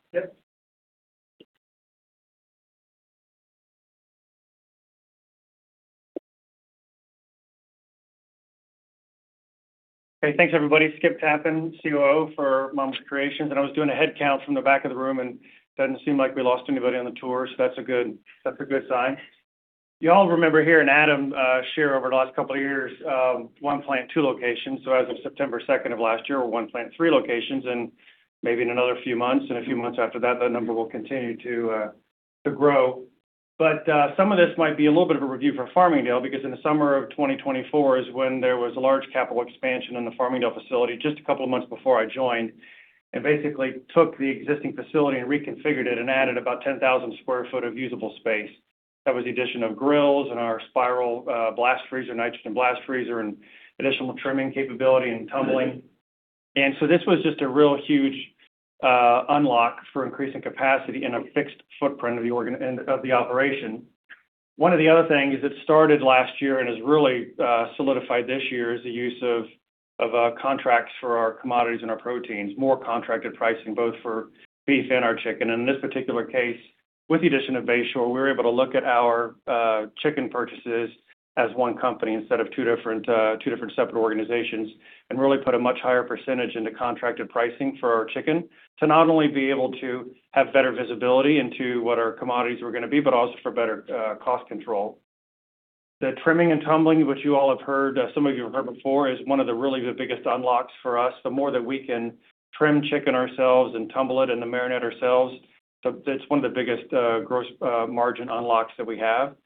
Speaker 4: Yep. Hey, thanks, everybody. Skip Tappan, COO for Mama's Creations. I was doing a head count from the back of the room, and it doesn't seem like we lost anybody on the tour, so that's a good sign. You all remember hearing Adam share over the last couple of years, one plant, two locations. As of September 2nd of last year, we're one plant, three locations, and maybe in another few months, and a few months after that number will continue to grow. Some of this might be a little bit of a review for Farmingdale, because in the summer of 2024 is when there was a large capital expansion in the Farmingdale facility, just a couple of months before I joined, and basically took the existing facility and reconfigured it and added about 10,000 sq ft of usable space. That was the addition of grills and our spiral blast freezer, nitrogen blast freezer, and additional trimming capability and tumbling. This was just a real huge unlock for increasing capacity in a fixed footprint of the operation. One of the other things that started last year and has really solidified this year is the use of contracts for our commodities and our proteins. More contracted pricing, both for beef and our chicken. In this particular case, with the addition of Bayshore, we were able to look at our chicken purchases as one company instead of two different separate organizations, and really put a much higher percentage into contracted pricing for our chicken, to not only be able to have better visibility into what our commodities were gonna be, but also for better cost control. The trimming and tumbling, which you all have heard, some of you have heard before, is one of the really the biggest unlocks for us. The more that we can trim chicken ourselves and tumble it and then marinate ourselves, that's one of the biggest gross margin unlocks that we have.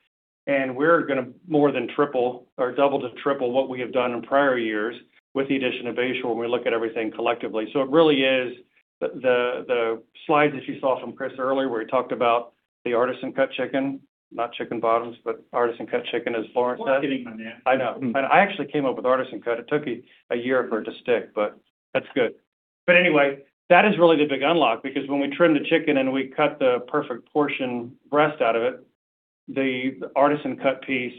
Speaker 4: We're gonna more than double to triple what we have done in prior years with the addition of Bayshore, when we look at everything collectively. it really is the slides that you saw from Chris earlier, where he talked about the artisan cut chicken, not chicken bottoms, but artisan cut chicken, as Lauren said.
Speaker 2: We're getting there.
Speaker 4: I know. I actually came up with artisan cut. It took a year for it to stick. That's good. Anyway, that is really the big unlock, because when we trim the chicken and we cut the perfect portion breast out of it, the artisan cut piece,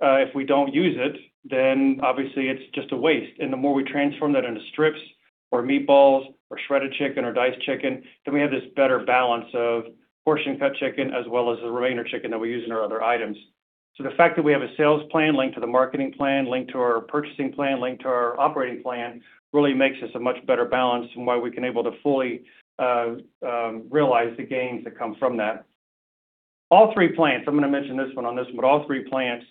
Speaker 4: if we don't use it, then obviously it's just a waste. The more we transform that into strips or meatballs or shredded chicken or diced chicken, then we have this better balance of portion cut chicken, as well as the remainder chicken that we use in our other items. The fact that we have a sales plan linked to the marketing plan, linked to our purchasing plan, linked to our operating plan, really makes this a much better balance and why we can able to fully realize the gains that come from that. All three plants, I'm gonna mention this one on this one, but all three plants,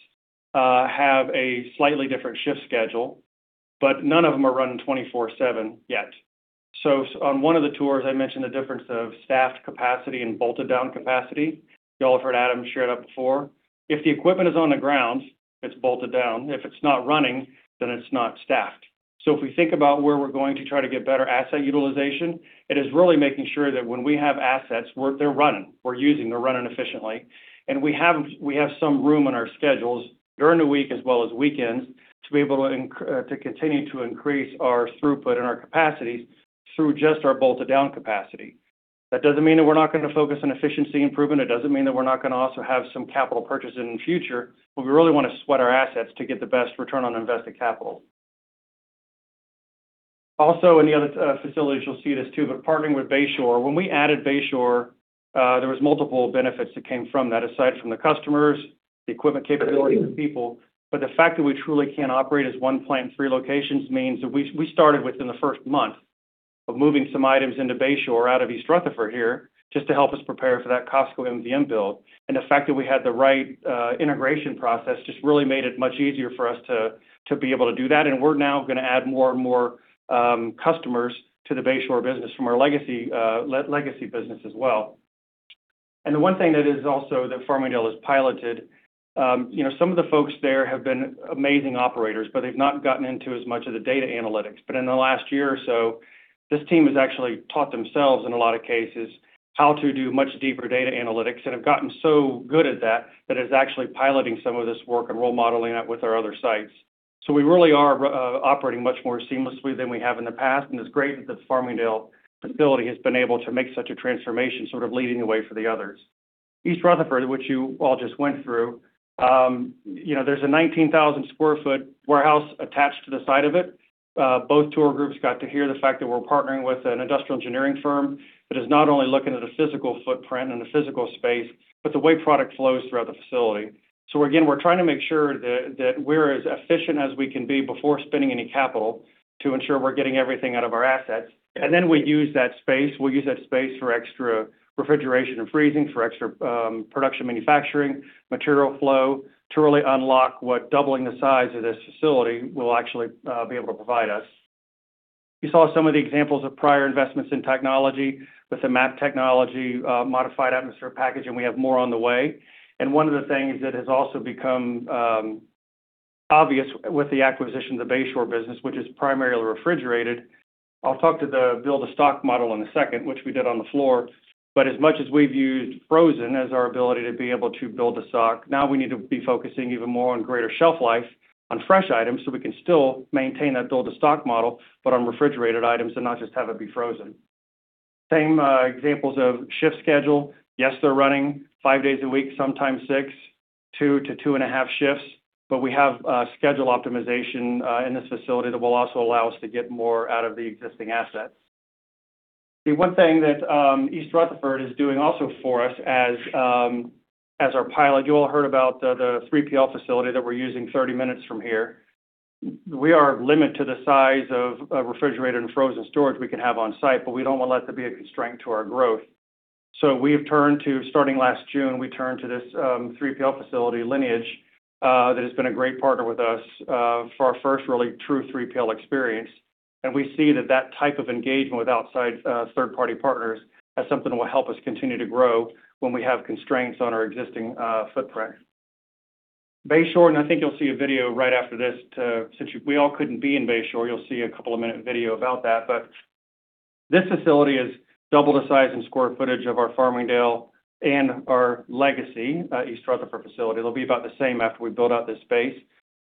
Speaker 4: have a slightly different shift schedule, but none of them are running 24/7 yet. On one of the tours, I mentioned the difference of staffed capacity and bolted-down capacity. You all have heard Adam share that before. If the equipment is on the ground, it's bolted down. If it's not running, then it's not staffed. If we think about where we're going to try to get better asset utilization, it is really making sure that when we have assets, they're running, we're using, they're running efficiently. We have some room in our schedules during the week as well as weekends, to be able to continue to increase our throughput and our capacity through just our bolted-down capacity. That doesn't mean that we're not gonna focus on efficiency improvement. It doesn't mean that we're not gonna also have some capital purchases in the future, we really want to sweat our assets to get the best return on invested capital. In the other facilities, you'll see this too, partnering with Bayshore. When we added Bayshore, there was multiple benefits that came from that, aside from the customers, the equipment capabilities, the people. The fact that we truly can operate as one plant in three locations means that we started within the first month-... of moving some items into Bayshore or out of East Rutherford here, just to help us prepare for that Costco MVM build. The fact that we had the right integration process just really made it much easier for us to be able to do that, and we're now gonna add more and more customers to the Bayshore business from our legacy business as well. The one thing that is also, that Farmingdale has piloted, you know, some of the folks there have been amazing operators, but they've not gotten into as much of the data analytics. In the last year or so, this team has actually taught themselves, in a lot of cases, how to do much deeper data analytics, and have gotten so good at that it's actually piloting some of this work and role modeling it with our other sites. We really are operating much more seamlessly than we have in the past, and it's great that the Farmingdale facility has been able to make such a transformation, sort of leading the way for the others. East Rutherford, which you all just went through, you know, there's a 19,000 sq ft warehouse attached to the side of it. Both tour groups got to hear the fact that we're partnering with an industrial engineering firm, that is not only looking at the physical footprint and the physical space, but the way product flows throughout the facility. Again, we're trying to make sure that we're as efficient as we can be before spending any capital, to ensure we're getting everything out of our assets. We use that space, we'll use that space for extra refrigeration and freezing, for extra production manufacturing, material flow, to really unlock what doubling the size of this facility will actually be able to provide us. You saw some of the examples of prior investments in technology, with the MAP technology, modified atmosphere packaging, we have more on the way. One of the things that has also become obvious with the acquisition of the Bayshore business, which is primarily refrigerated... I'll talk to the build to stock model in a second, which we did on the floor, but as much as we've used frozen as our ability to be able to build to stock, now we need to be focusing even more on greater shelf life on fresh items, so we can still maintain that build to stock model, but on refrigerated items, and not just have it be frozen. Same examples of shift schedule. Yes, they're running five days a week, sometimes 6, 2 to 2.5 shifts, but we have schedule optimization in this facility that will also allow us to get more out of the existing assets. The one thing that East Rutherford is doing also for us, as our pilot, you all heard about the 3PL facility that we're using 30 minutes from here. We are limit to the size of refrigerated and frozen storage we can have on site, but we don't want that to be a constraint to our growth. We have turned to, starting last June, we turned to this 3PL facility, Lineage, that has been a great partner with us for our first really true 3PL experience. We see that that type of engagement with outside third-party partners, as something that will help us continue to grow when we have constraints on our existing footprint. Bayshore. I think you'll see a video right after this. Since we all couldn't be in Bayshore, you'll see a couple of minute video about that. This facility is double the size and square footage of our Farmingdale and our legacy East Rutherford facility. It'll be about the same after we build out this space,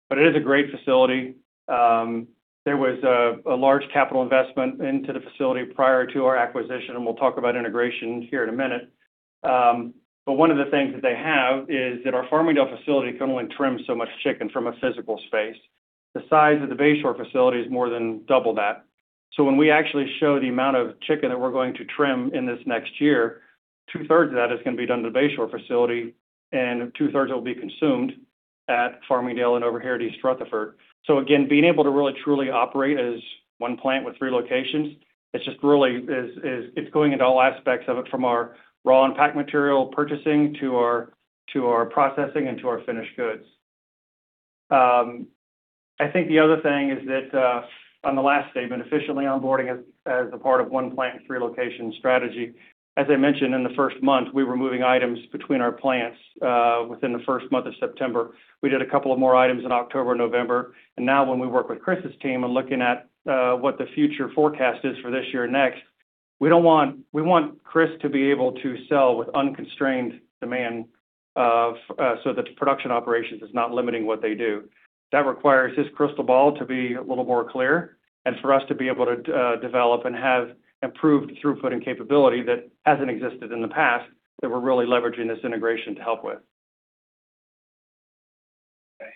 Speaker 4: but it is a great facility. There was a large capital investment into the facility prior to our acquisition, and we'll talk about integration here in a minute. One of the things that they have is that our Farmingdale facility can only trim so much chicken from a physical space. The size of the Bayshore facility is more than double that. When we actually show the amount of chicken that we're going to trim in this next year, two-thirds of that is gonna be done to the Bayshore facility, and two-thirds will be consumed at Farmingdale and over here at East Rutherford. Again, being able to really, truly operate as one plant with three locations, it's just really, it's going into all aspects of it, from our raw and packed material purchasing, to our processing, and to our finished goods. I think the other thing is that on the last statement, efficiently onboarding as a part of one plant, three location strategy. As I mentioned, in the first month, we were moving items between our plants within the first month of September. We did a couple of more items in October, November, and now when we work with Chris's team and looking at what the future forecast is for this year next, we want Chris to be able to sell with unconstrained demand so that the production operations is not limiting what they do. That requires his crystal ball to be a little more clear, for us to be able to develop and have improved throughput and capability that hasn't existed in the past, that we're really leveraging this integration to help with. Okay.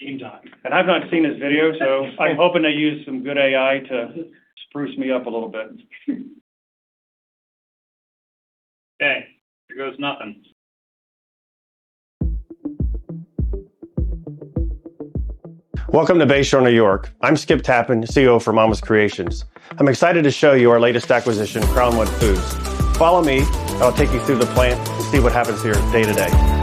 Speaker 4: Game time. I've not seen this video, I'm hoping to use some good AI to spruce me up a little bit. Okay, here goes nothing.
Speaker 5: Welcome to Bayshore, New York. I'm Skip Tappan, CEO for Mama's Creations. I'm excited to show you our latest acquisition, Crownwood Foods. Follow me, I'll take you through the plant and see what happens here day to day.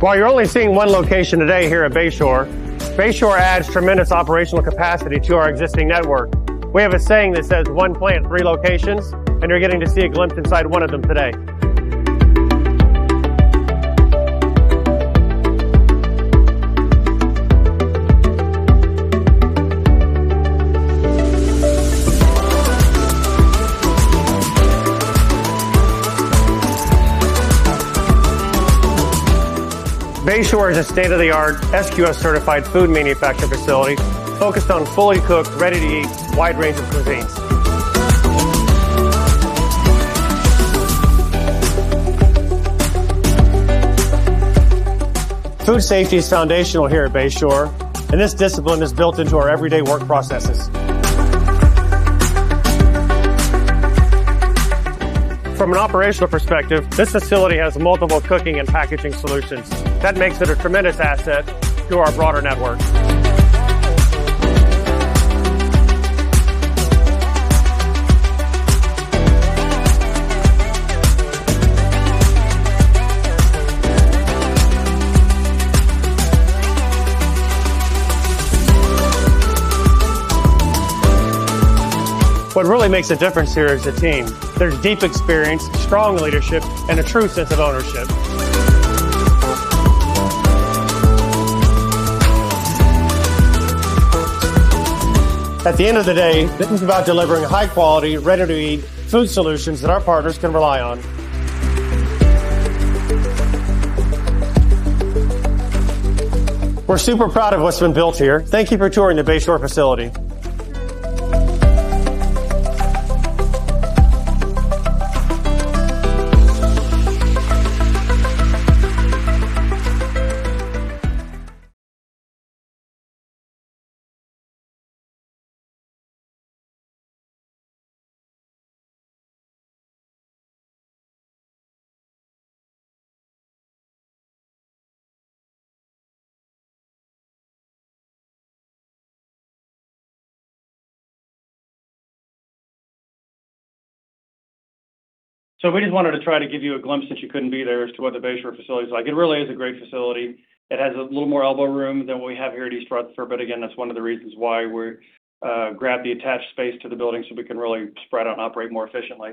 Speaker 5: While you're only seeing one location today here at Bayshore adds tremendous operational capacity to our existing network. We have a saying that says, "One plant, three locations," you're getting to see a glimpse inside one of them today. Bayshore is a state-of-the-art, SQF certified food manufacturing facility focused on fully cooked, ready-to-eat, wide range of cuisines. Food safety is foundational here at Bayshore, and this discipline is built into our everyday work processes. From an operational perspective, this facility has multiple cooking and packaging solutions. That makes it a tremendous asset to our broader network. What really makes a difference here is the team. There's deep experience, strong leadership, and a true sense of ownership. At the end of the day, this is about delivering high quality, ready-to-eat food solutions that our partners can rely on. We're super proud of what's been built here. Thank you for touring the Bayshore facility.
Speaker 4: We just wanted to try to give you a glimpse, since you couldn't be there, as to what the Bayshore facility is like. It really is a great facility. It has a little more elbow room than what we have here at East Rutherford, but again, that's one of the reasons why we grabbed the attached space to the building, so we can really spread out and operate more efficiently.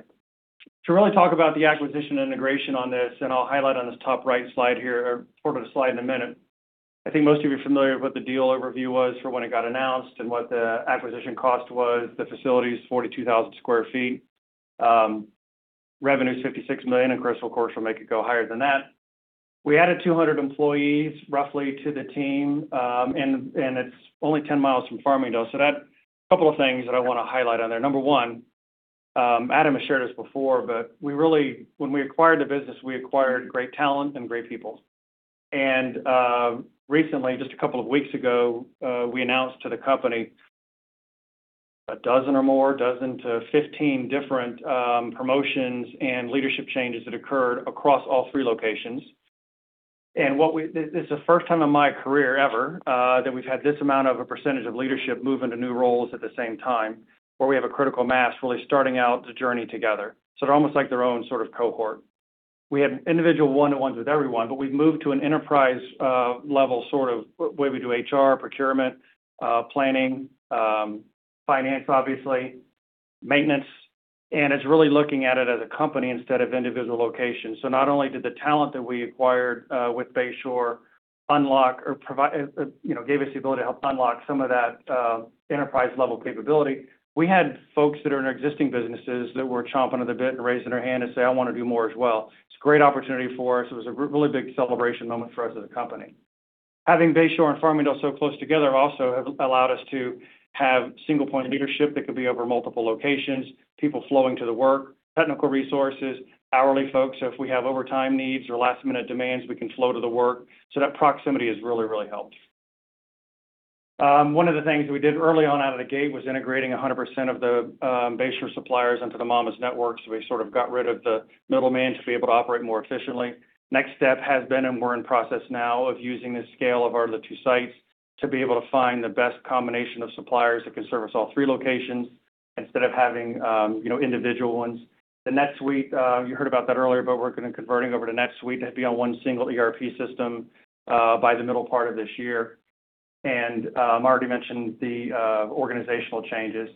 Speaker 4: To really talk about the acquisition and integration on this, and I'll highlight on this top right slide here, or we'll go to the slide in a minute. I think most of you are familiar with what the deal overview was for when it got announced and what the acquisition cost was. The facility is 42,000 sq ft. Revenue is $56 million, and Chris, of course, will make it go higher than that. We added 200 employees, roughly, to the team, and it's only 10 miles from Farmingdale. Couple of things that I wanna highlight on there. Number one, Adam has shared this before, but when we acquired the business, we acquired great talent and great people. Recently, just a couple of weeks ago, we announced to the company 12 or more, 12-15 different promotions and leadership changes that occurred across all three locations. This is the first time in my career ever, that we've had this amount of a percentage of leadership move into new roles at the same time, where we have a critical mass really starting out the journey together. They're almost like their own sort of cohort. We had individual one-on-ones with everyone, but we've moved to an enterprise level, sort of, way we do HR, procurement, planning, finance, obviously, maintenance, and it's really looking at it as a company instead of individual locations. Not only did the talent that we acquired with Bayshore unlock or provide... you know, gave us the ability to help unlock some of that enterprise-level capability, we had folks that are in existing businesses that were chomping at the bit and raising their hand and say, "I wanna do more as well." It's a great opportunity for us. It was a really big celebration moment for us as a company. Having Bayshore and Farmingdale so close together also have allowed us to have single point of leadership that could be over multiple locations, people flowing to the work, technical resources, hourly folks. If we have overtime needs or last-minute demands, we can flow to the work. That proximity has really helped. One of the things we did early on out of the gate was integrating 100% of the Bayshore suppliers into the Mama's network. We sort of got rid of the middleman to be able to operate more efficiently. Next step has been, and we're in process now, of using the scale of the two sites, to be able to find the best combination of suppliers that can service all three locations instead of having, you know, individual ones. The NetSuite, you heard about that earlier, but we're converting over to NetSuite to be on one single ERP system by the middle part of this year. I already mentioned the organizational changes.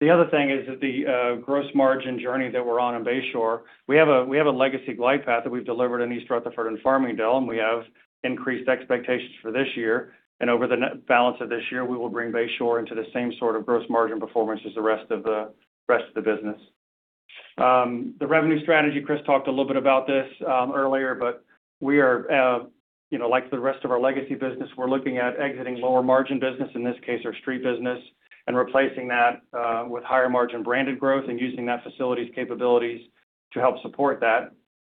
Speaker 4: The other thing is that the gross margin journey that we're on in Bayshore, we have a, we have a legacy glide path that we've delivered in East Rutherford and Farmingdale, and we have increased expectations for this year. Over the balance of this year, we will bring Bayshore into the same sort of gross margin performance as the rest of the business. The revenue strategy, Chris talked a little bit about this earlier, but we are, you know, like the rest of our legacy business, we're looking at exiting lower margin business, in this case, our street business, and replacing that with higher margin branded growth and using that facility's capabilities to help support that.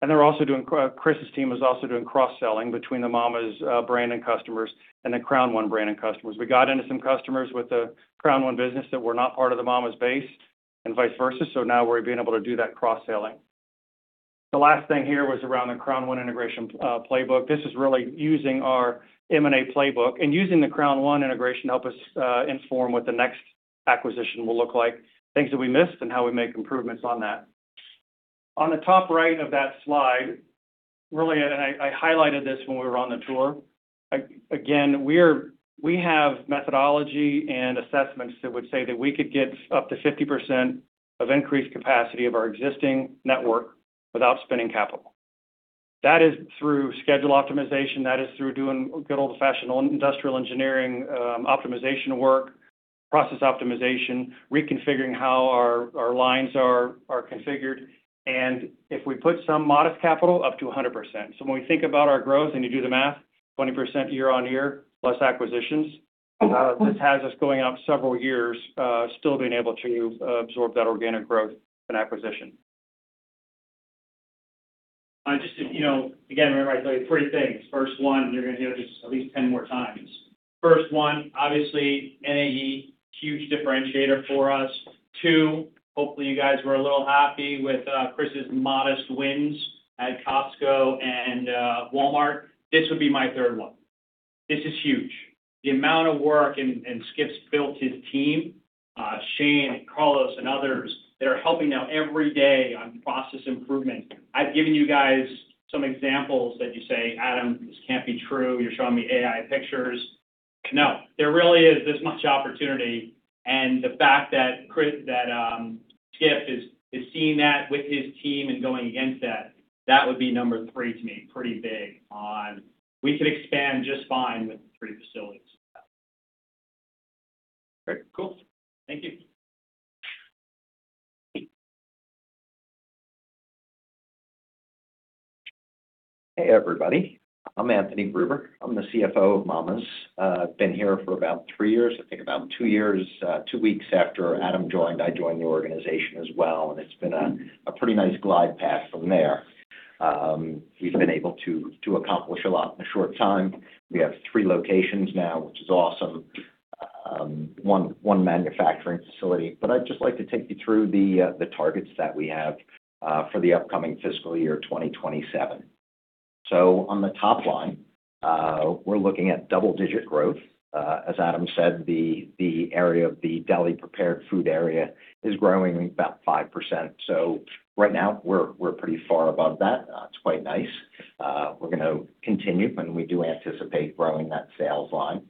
Speaker 4: They're also doing... Chris's team is also doing cross-selling between the Mama's brand and customers, and the Crown I brand and customers. We got into some customers with the Crown I business that were not part of the Mama's base and vice versa. Now we're being able to do that cross-selling. The last thing here was around the Crown I integration playbook. This is really using our M&A playbook and using the Crown I integration to help us inform what the next acquisition will look like, things that we missed, and how we make improvements on that. On the top right of that slide, really, and I highlighted this when we were on the tour. Again, we have methodology and assessments that would say that we could get up to 50% of increased capacity of our existing network without spending capital. That is through schedule optimization, that is through doing good old-fashioned industrial engineering, optimization work. Process optimization, reconfiguring how our lines are configured, and if we put some modest capital up to 100%. When we think about our growth and you do the math, 20% year-on-year, plus acquisitions, this has us going out several years, still being able to absorb that organic growth and acquisition.
Speaker 1: Just to, you know, again, remember, I tell you three things. First one, you're gonna hear this at least 10 more times. First one, obviously, NAE, huge differentiator for us. two, hopefully, you guys were a little happy with Chris's modest wins at Costco and Walmart. This would be my 3rd one. This is huge. The amount of work and Skip's built his team, Shane, Carlos, and others, that are helping out every day on process improvement. I've given you guys some examples that you say, 'Adam, this can't be true. You're showing me AI pictures'. No, there really is this much opportunity. The fact that Chris that Skip is seeing that with his team and going against that would be number three to me, pretty big on. We could expand just fine with three facilities. Great. Cool. Thank you.
Speaker 6: Hey, everybody. I'm Anthony Gruber. I'm the CFO of Mama's. I've been here for about three years. I think about two years, two weeks after Adam joined, I joined the organization as well, and it's been a pretty nice glide path from there. We've been able to accomplish a lot in a short time. We have three locations now, which is awesome. One manufacturing facility. I'd just like to take you through the targets that we have for the upcoming Fiscal 2027. On the top line, we're looking at double-digit growth. As Adam said, the area of the deli prepared food area is growing about 5%. Right now, we're pretty far above that. It's quite nice. We're gonna continue. We do anticipate growing that sales line.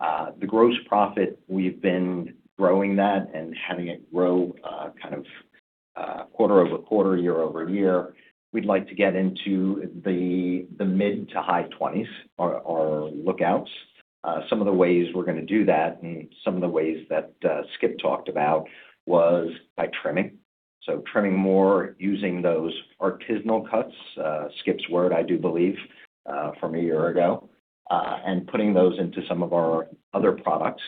Speaker 6: The gross profit, we've been growing that and having it grow, kind of, quarter-over-quarter, year-over-year. We'd like to get into the mid to high twenties, our lookouts. Some of the ways we're gonna do that, and some of the ways that Skip talked about was by trimming. Trimming more, using those artisan cuts, Skip's word, I do believe, from a year ago, and putting those into some of our other products.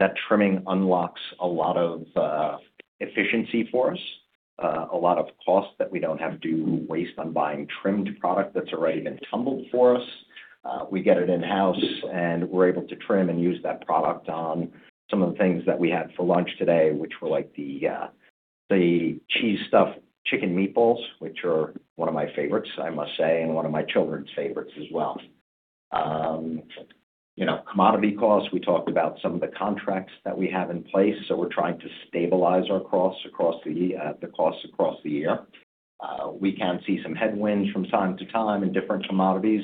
Speaker 6: That trimming unlocks a lot of efficiency for us, a lot of cost that we don't have to waste on buying trimmed product that's already been tumbled for us. We get it in-house, and we're able to trim and use that product on some of the things that we had for lunch today, which were like the Cheese Stuffed Chicken Meatballs, which are one of my favorites, I must say, and one of my children's favorites as well. You know, commodity costs, we talked about some of the contracts that we have in place, we're trying to stabilize our costs across the costs across the year. We can see some headwinds from time to time in different commodities,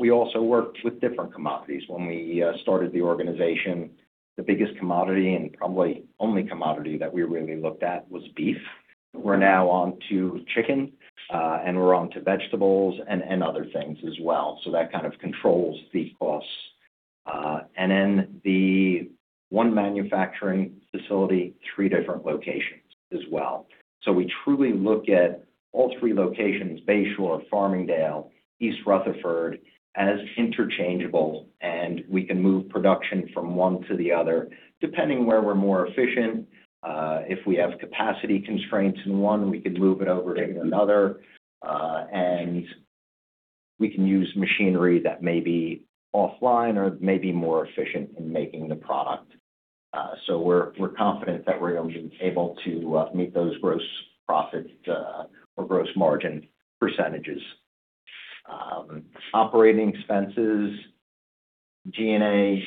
Speaker 6: we also worked with different commodities. When we started the organization, the biggest commodity and probably only commodity that we really looked at was beef. We're now on to chicken, we're on to vegetables and other things as well. That kind of controls the costs. And then the one manufacturing facility, three different locations as well. We truly look at all three locations, Bayshore, Farmingdale, East Rutherford, as interchangeable, and we can move production from one to the other, depending where we're more efficient. If we have capacity constraints in one, we can move it over to another, and we can use machinery that may be offline or may be more efficient in making the product. So we're confident that we're going to be able to meet those gross profit or gross margin percentage. Operating expenses, G&A.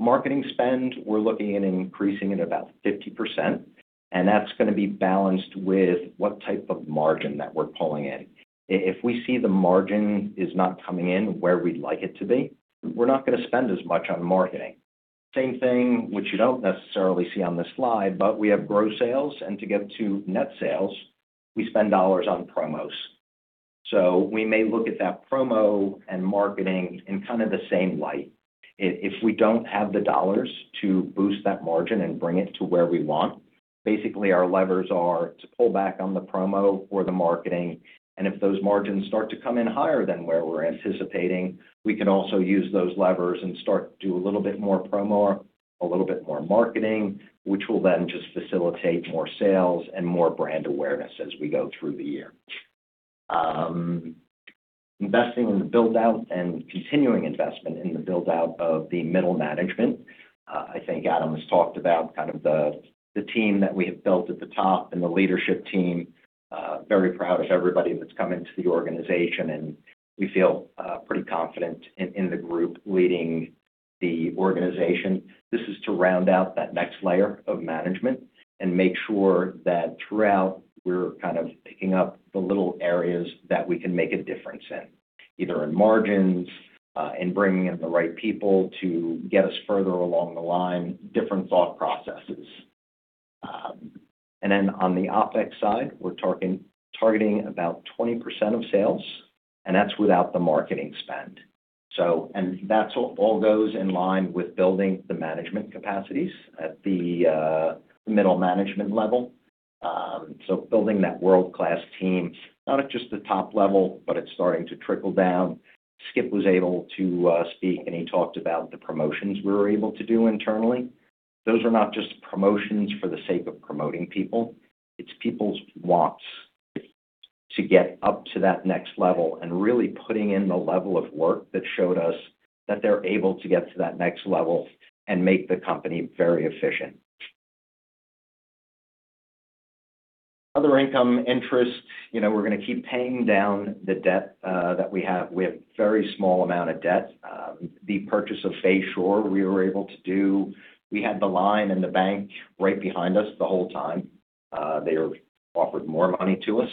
Speaker 6: Marketing spend, we're looking at increasing it about 50%, and that's gonna be balanced with what type of margin that we're pulling in. If we see the margin is not coming in where we'd like it to be, we're not gonna spend as much on marketing. Same thing, which you don't necessarily see on this slide, but we have gross sales, and to get to net sales, we spend dollars on promos. We may look at that promo and marketing in kind of the same light. If we don't have the dollars to boost that margin and bring it to where we want, basically, our levers are to pull back on the promo or the marketing. If those margins start to come in higher than where we're anticipating, we can also use those levers and start to do a little bit more promo, a little bit more marketing, which will then just facilitate more sales and more brand awareness as we go through the year. Investing in the build-out and continuing investment in the build-out of the middle management. I think Adam has talked about kind of the team that we have built at the top and the leadership team. Very proud of everybody that's come into the organization, and we feel pretty confident in the group leading the organization. This is to round out that next layer of management and make sure that throughout, we're kind of picking up the little areas that we can make a difference in, either in margins, in bringing in the right people to get us further along the line, different thought processes.... On the OpEx side, we're targeting about 20% of sales, and that's without the marketing spend. That's all goes in line with building the management capacities at the middle management level. Building that world-class team, not at just the top level, but it's starting to trickle down. Skip was able to speak, and he talked about the promotions we were able to do internally. Those are not just promotions for the sake of promoting people. It's people's wants to get up to that next level and really putting in the level of work that showed us that they're able to get to that next level and make the company very efficient. Other income interest, you know, we're gonna keep paying down the debt that we have. We have very small amount of debt. The purchase of Bayshore, we were able to do. We had the line in the bank right behind us the whole time. They offered more money to us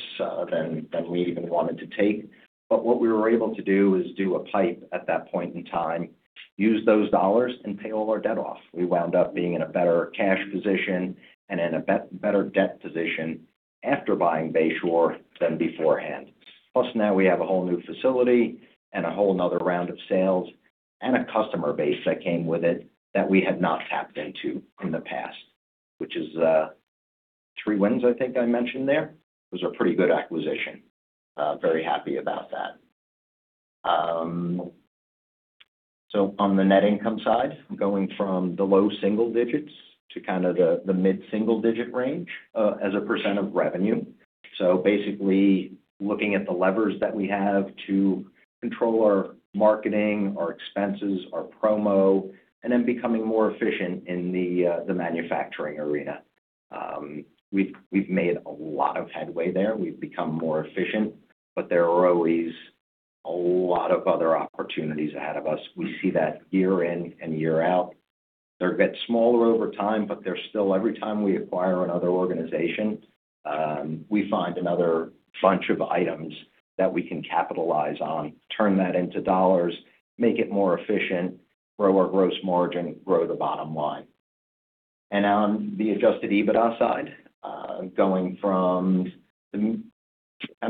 Speaker 6: than we even wanted to take. What we were able to do is do a PIPE at that point in time, use those dollars and pay all our debt off. We wound up being in a better cash position and in a better debt position after buying Bayshore than beforehand. Now we have a whole new facility and a whole another round of sales, and a customer base that came with it that we had not tapped into in the past, which is, three wins, I think I mentioned there. It was a pretty good acquisition. Very happy about that. On the net income side, going from the low single digits to kind of the mid single digit range, as a percentage of revenue. Basically, looking at the levers that we have to control our marketing, our expenses, our promo, and then becoming more efficient in the manufacturing arena. We've made a lot of headway there. We've become more efficient, there are always a lot of other opportunities ahead of us. We see that year in and year out. They get smaller over time, they're still every time we acquire another organization, we find another bunch of items that we can capitalize on, turn that into dollars, make it more efficient, grow our gross margin, grow the bottom line. On the adjusted EBITDA side, going from kind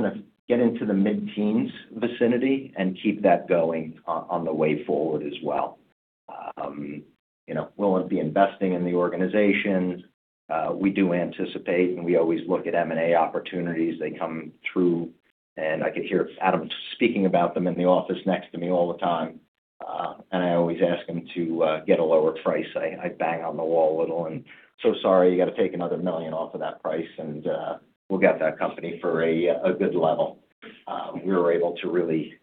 Speaker 6: of get into the mid-teens vicinity and keep that going on the way forward as well. You know, we'll be investing in the organization. We do anticipate, we always look at M&A opportunities. They come through. I could hear Adam speaking about them in the office next to me all the time. I always ask him to get a lower price. I bang on the wall a little. "So sorry, you got to take another $1 million off of that price." We'll get that company for a good level. We were able to really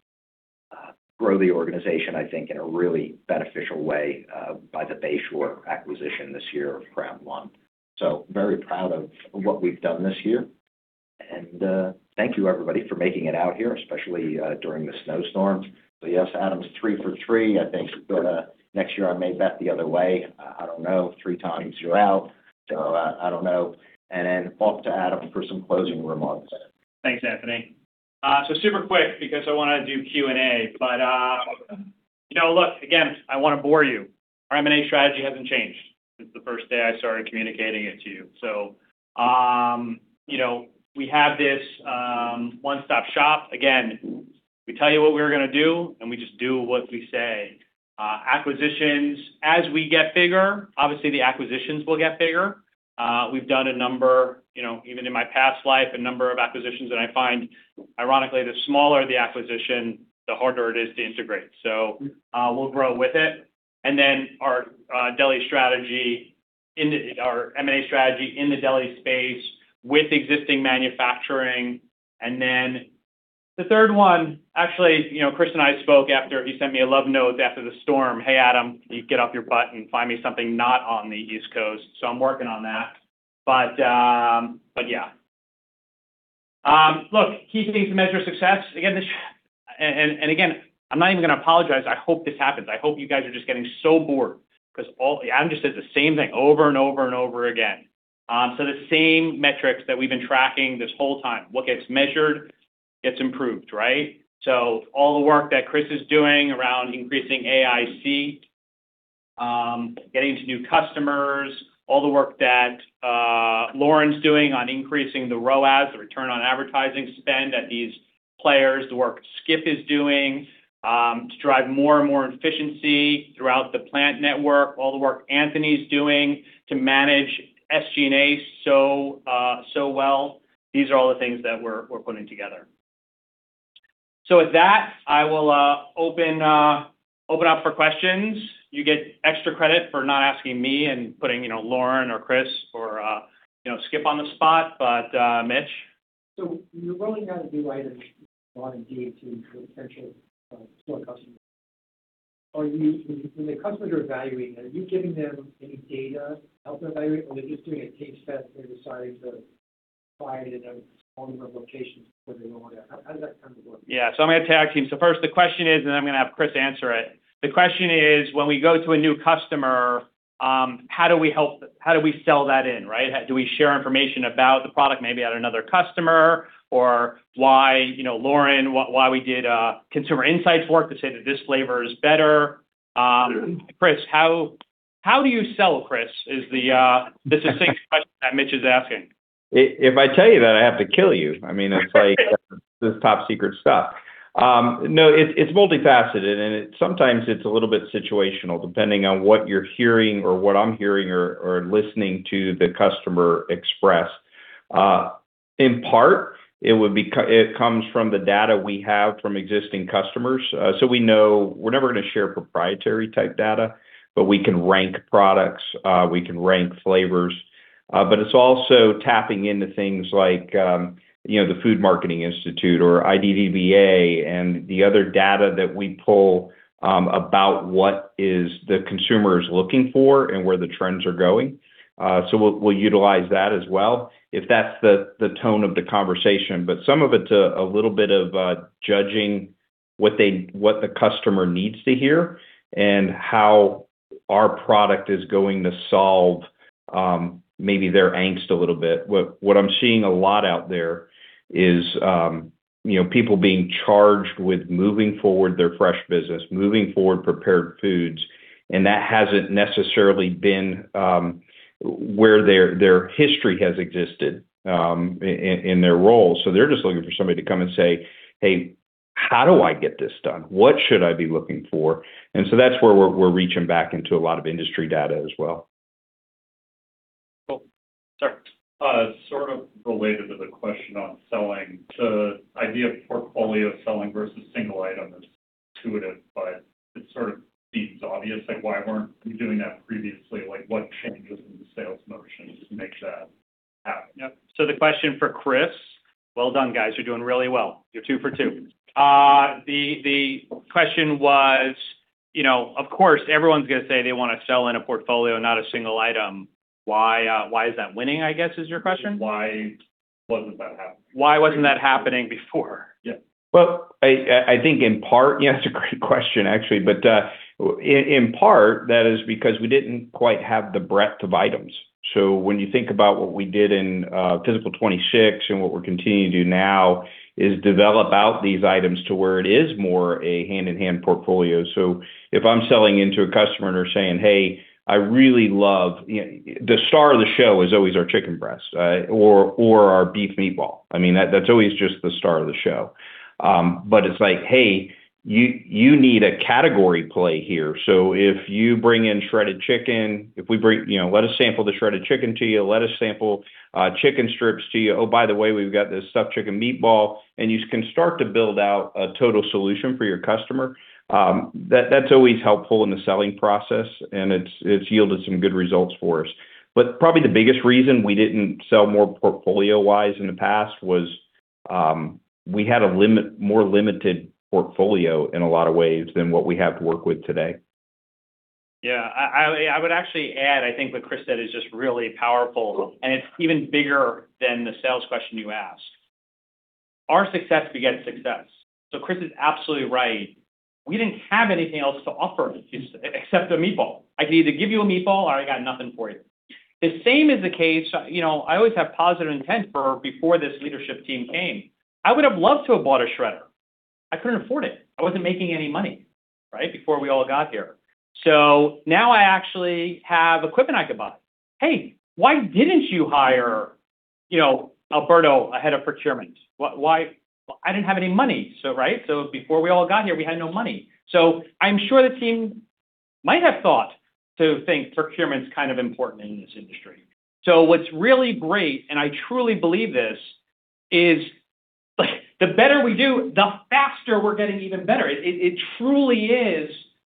Speaker 6: grow the organization, I think, in a really beneficial way, by the Bayshore acquisition this year of Crown I. Very proud of what we've done this year. Thank you, everybody, for making it out here, especially during the snowstorm. Yes, Adam's three for three. I think next year, I may bet the other way. I don't know, 3x you're out. I don't know. Off to Adam for some closing remarks.
Speaker 1: Thanks, Anthony. Super quick because I wanna do Q&A, you know, look, again, I wanna bore you. Our M&A strategy hasn't changed since the first day I started communicating it to you. You know, we have this one-stop shop. Again, we tell you what we're gonna do, and we just do what we say. Acquisitions, as we get bigger, obviously, the acquisitions will get bigger. We've done a number, you know, even in my past life, a number of acquisitions, and I find, ironically, the smaller the acquisition, the harder it is to integrate. We'll grow with it. Our deli strategy, our M&A strategy in the deli space with existing manufacturing. The third one, actually, you know, Chris and I spoke after he sent me a love note after the storm: "Hey, Adam, you get off your butt and find me something not on the East Coast." I'm working on that. Yeah. Look, key things to measure success. Again, and again, I'm not even gonna apologize. I hope this happens. I hope you guys are just getting so bored because I'm just saying the same thing over and over and over again. The same metrics that we've been tracking this whole time, what gets measured, gets improved, right? All the work that Chris is doing around increasing AIC, getting to new customers, all the work that Lauren's doing on increasing the ROAS, the return on advertising spend, at these players, the work Skip is doing to drive more and more efficiency throughout the plant network, all the work Anthony's doing to manage SG&A so well, these are all the things that we're putting together. With that, I will open up for questions. You get extra credit for not asking me and putting, you know, Lauren or Chris or, you know, Skip on the spot, but Mitch?
Speaker 7: You're rolling out a new item on D to potential store customers. When the customers are evaluating, are you giving them any data to help them evaluate, or are they just doing a taste test and deciding to buy it in a number of locations where they want to... How does that kind of work?
Speaker 1: Yeah. I'm going to tag team. First, the question is, and I'm going to have Chris answer it. The question is: When we go to a new customer, How do we sell that in, right? Do we share information about-... the product maybe at another customer, or why, you know, Lauren, why we did consumer insights work to say that this flavor is better. Chris, how do you sell, Chris, is the this is the question that Mitch is asking?
Speaker 2: If I tell you that I have to kill you. I mean, it's like, this top secret stuff. No, it's multifaceted, and it, sometimes it's a little bit situational, depending on what you're hearing or what I'm hearing or listening to the customer express. In part, it would be it comes from the data we have from existing customers, so we know... We're never gonna share proprietary type data, but we can rank products, we can rank flavors. But it's also tapping into things like, you know, the Food Marketing Institute or IDDBA, and the other data that we pull, about what is the consumers looking for and where the trends are going. We'll, we'll utilize that as well, if that's the tone of the conversation. Some of it's a little bit of judging what the customer needs to hear and how our product is going to solve maybe their angst a little bit. What I'm seeing a lot out there is, you know, people being charged with moving forward their fresh business, moving forward prepared foods, and that hasn't necessarily been where their history has existed in their role. They're just looking for somebody to come and say, "Hey, how do I get this done? What should I be looking for?" That's where we're reaching back into a lot of industry data as well.
Speaker 1: Cool. Sir?
Speaker 7: Sort of related to the question on selling, the idea of portfolio selling versus single item is intuitive, but it sort of seems obvious, like, why weren't we doing that previously? Like, what changes in the sales motion make that happen?
Speaker 1: Yep. The question for Chris... Well done, guys. You're doing really well. You're two for two. The question was, you know, of course, everyone's gonna say they wanna sell in a portfolio, not a single item. Why is that winning, I guess, is your question?
Speaker 7: Why wasn't that happening?
Speaker 1: Why wasn't that happening before?
Speaker 7: Yeah.
Speaker 2: Well, I think in part... Yeah, it's a great question, actually. In part, that is because we didn't quite have the breadth of items. When you think about what we did in Fiscal 2026 and what we're continuing to do now, is develop out these items to where it is more a hand-in-hand portfolio. If I'm selling into a customer and they're saying, "Hey, I really love..." You know, the star of the show is always our chicken breast, or our beef meatball. I mean, that's always just the star of the show. It's like, "Hey, you need a category play here." If you bring in shredded chicken. You know, let us sample the shredded chicken to you, let us sample chicken strips to you. Oh, by the way, we've got this stuffed chicken meatball, and you can start to build out a total solution for your customer. That's always helpful in the selling process, and it's yielded some good results for us. Probably the biggest reason we didn't sell more portfolio-wise in the past was we had a more limited portfolio in a lot of ways than what we have to work with today.
Speaker 1: I would actually add, I think what Chris said is just really powerful, and it's even bigger than the sales question you asked. Our success begets success. Chris is absolutely right. We didn't have anything else to offer except a meatball. I can either give you a meatball or I got nothing for you. The same is the case, you know, I always have positive intent for before this leadership team came. I would have loved to have bought a shredder. I couldn't afford it. I wasn't making any money, right? Before we all got here. Now I actually have equipment I could buy. "Hey, why didn't you hire, you know, Alberto, a head of procurement? Why?" I didn't have any money. Right? Before we all got here, we had no money. I'm sure the team might have thought to think procurement's kind of important in this industry. What's really great, and I truly believe this, is, the better we do, the faster we're getting even better. It truly is,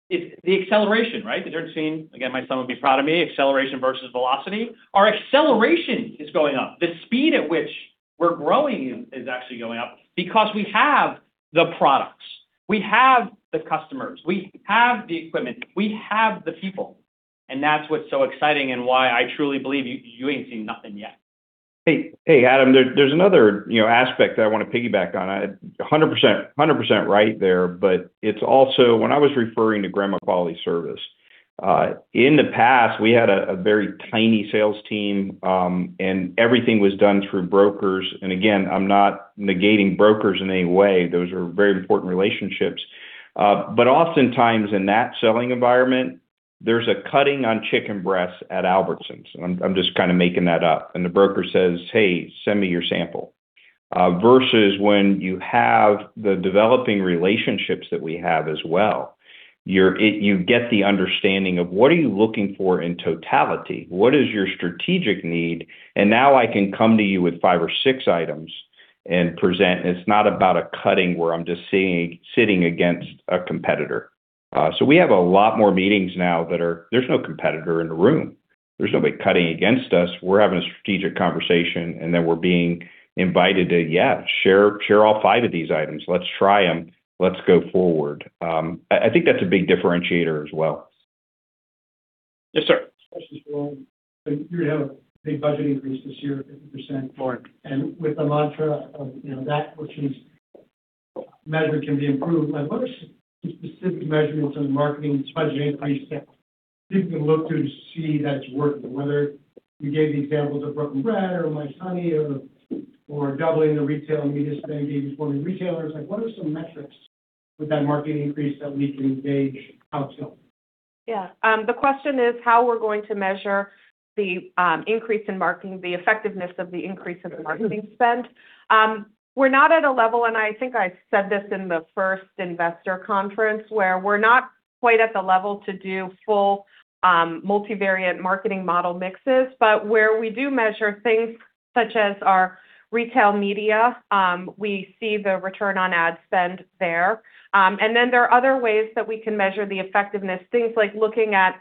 Speaker 1: the acceleration, right? Did you ever seen, again, my son would be proud of me, acceleration versus velocity. Our acceleration is going up. The speed at which we're growing is actually going up because we have the products, we have the customers, we have the equipment, we have the people, and that's what's so exciting and why I truly believe you ain't seen nothing yet.
Speaker 2: Hey, Adam, there's another, you know, aspect I wanna piggyback on. 100%, 100% right there. It's also. When I was referring to Grandma Quality Service, in the past, we had a very tiny sales team, everything was done through brokers. Again, I'm not negating brokers in any way. Those are very important relationships. Oftentimes in that selling environment, there's a cutting on chicken breasts at Albertsons, and I'm just kinda making that up. The broker says, "Hey, send me your sample." Versus when you have the developing relationships that we have as well, you get the understanding of what are you looking for in totality? What is your strategic need? Now I can come to you with five or six items and present, and it's not about a cutting where I'm just sitting against a competitor. We have a lot more meetings now that are, there's no competitor in the room. There's nobody cutting against us. We're having a strategic conversation. Then we're being invited to, yeah, share all 5 of these items. Let's try them. Let's go forward. I think that's a big differentiator as well.
Speaker 1: Yes, sir.
Speaker 8: You have a big budget increase this year, 50%.
Speaker 1: Right.
Speaker 8: With the mantra of, you know, that which is measurement can be improved, like what are some specific measurements in the marketing spending increase that people can look to see that it's working? Whether you gave the examples of Brooklyn Bred, or Mama Mancini's, or doubling the retail and media spending, engaging with retailers. Like, what are some metrics with that marketing increase that we can gauge out to?
Speaker 3: Yeah. The question is how we're going to measure the increase in marketing, the effectiveness of the increase in the marketing spend. We're not at a level, and I think I said this in the first investor conference, where we're not quite at the level to do full multivariate marketing model mixes. Where we do measure things such as our retail media, we see the return on ad spend there. There are other ways that we can measure the effectiveness, things like looking at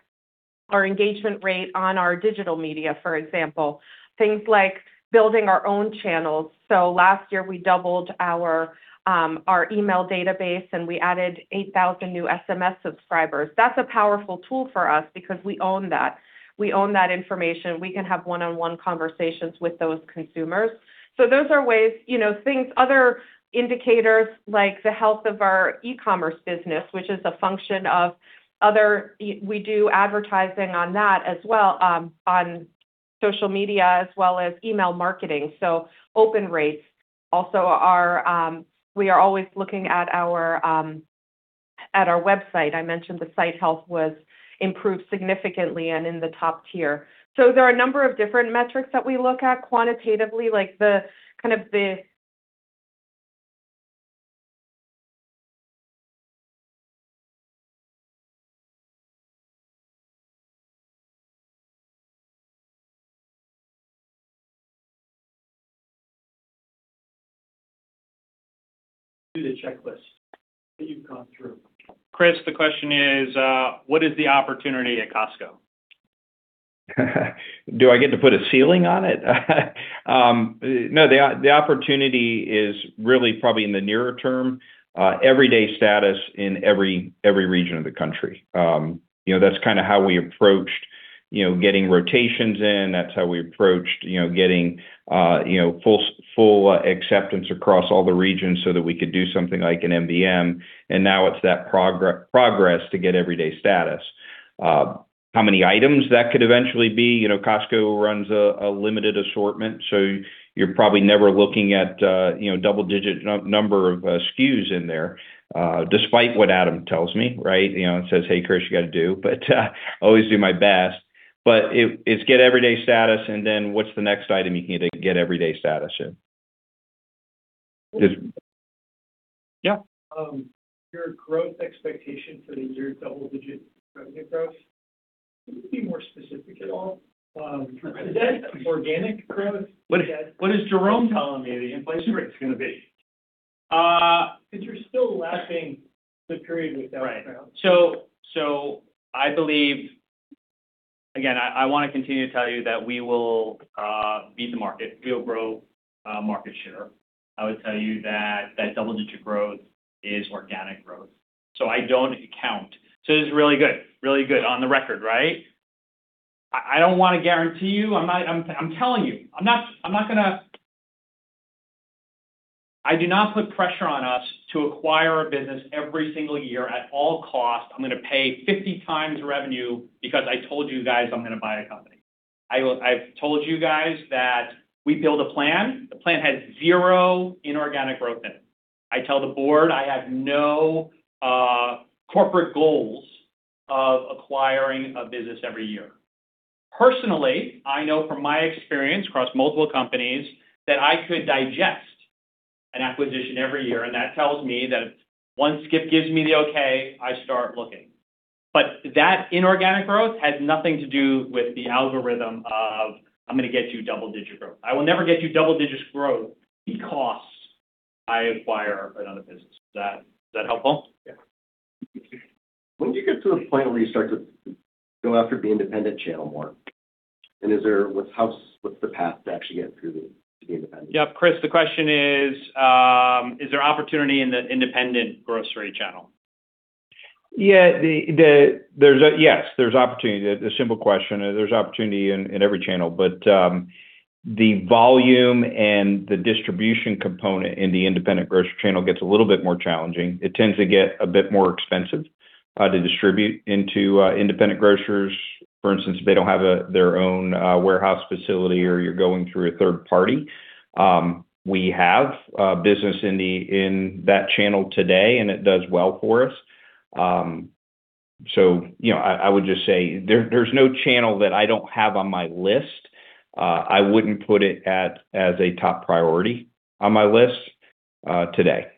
Speaker 3: our engagement rate on our digital media, for example, things like building our own channels. Last year, we doubled our email database, and we added 8,000 new SMS subscribers. That's a powerful tool for us because we own that. We own that information. We can have one-on-one conversations with those consumers. Those are ways, you know, things, other indicators like the health of our e-commerce business, which is a function of other we do advertising on that as well, on social media, as well as email marketing. Open rates also are, we are always looking at our website. I mentioned the site health was improved significantly and in the top tier. There are a number of different metrics that we look at quantitatively, like the kind of.
Speaker 8: Do the checklist that you've gone through.
Speaker 1: Chris, the question is, what is the opportunity at Costco?
Speaker 2: Do I get to put a ceiling on it? No, the opportunity is really probably in the nearer term, everyday status in every region of the country. You know, that's kinda how we approached, you know, getting rotations in. That's how we approached, you know, getting, you know, full acceptance across all the regions so that we could do something like an MBM, and now it's that progress to get everyday status. How many items? That could eventually be... You know, Costco runs a limited assortment, so you're probably never looking at, you know, double-digit number of SKUs in there, despite what Adam tells me, right? You know, and says, "Hey, Chris, you got to do," but, I always do my best. It's get everyday status, and then what's the next item you need to get everyday status in?
Speaker 1: Yeah.
Speaker 8: Your growth expectation for the year, double-digit revenue growth, can you be more specific at all? Is that organic growth?
Speaker 1: What is Jerome telling me the inflation rate is gonna be?
Speaker 8: You're still lacking the period with that growth.
Speaker 1: Right. Again, I wanna continue to tell you that we will beat the market. We'll grow market share. I would tell you that double-digit growth is organic growth. I don't count. This is really good. Really good on the record, right? I don't want to guarantee you. I do not put pressure on us to acquire a business every single year at all costs. I'm gonna pay 50x revenue because I told you guys I'm gonna buy a company. I've told you guys that we build a plan. The plan has zero inorganic growth in it. I tell the board I have no corporate goals of acquiring a business every year. Personally, I know from my experience across multiple companies that I could digest an acquisition every year, and that tells me that once Skip gives me the okay, I start looking. That inorganic growth has nothing to do with the algorithm of I'm gonna get you double-digit growth. I will never get you double-digit growth because I acquire another business. Is that helpful?
Speaker 8: Yeah.
Speaker 9: When do you get to a point where you start to go after the independent channel more? What's the path to actually get through the independent?
Speaker 1: Yeah, Chris, the question is there opportunity in the independent grocery channel?
Speaker 2: Yes, there's opportunity. The simple question is there's opportunity in every channel, but the volume and the distribution component in the independent grocery channel gets a little bit more challenging. It tends to get a bit more expensive to distribute into independent grocers. For instance, they don't have their own warehouse facility, or you're going through a third party. We have business in that channel today, and it does well for us. You know, I would just say there's no channel that I don't have on my list. I wouldn't put it as a top priority on my list today.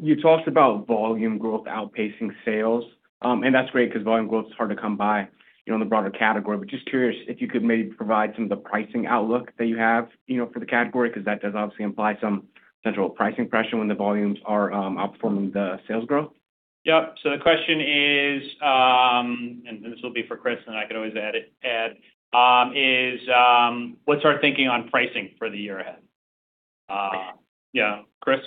Speaker 10: You talked about volume growth outpacing sales. That's great 'cause volume growth is hard to come by, you know, in the broader category. Just curious if you could maybe provide some of the pricing outlook that you have, you know, for the category, 'cause that does obviously imply some central pricing pressure when the volumes are outperforming the sales growth.
Speaker 1: Yep. The question is, This will be for Chris, and I could always add it, is what's our thinking on pricing for the year ahead? Yeah, Chris?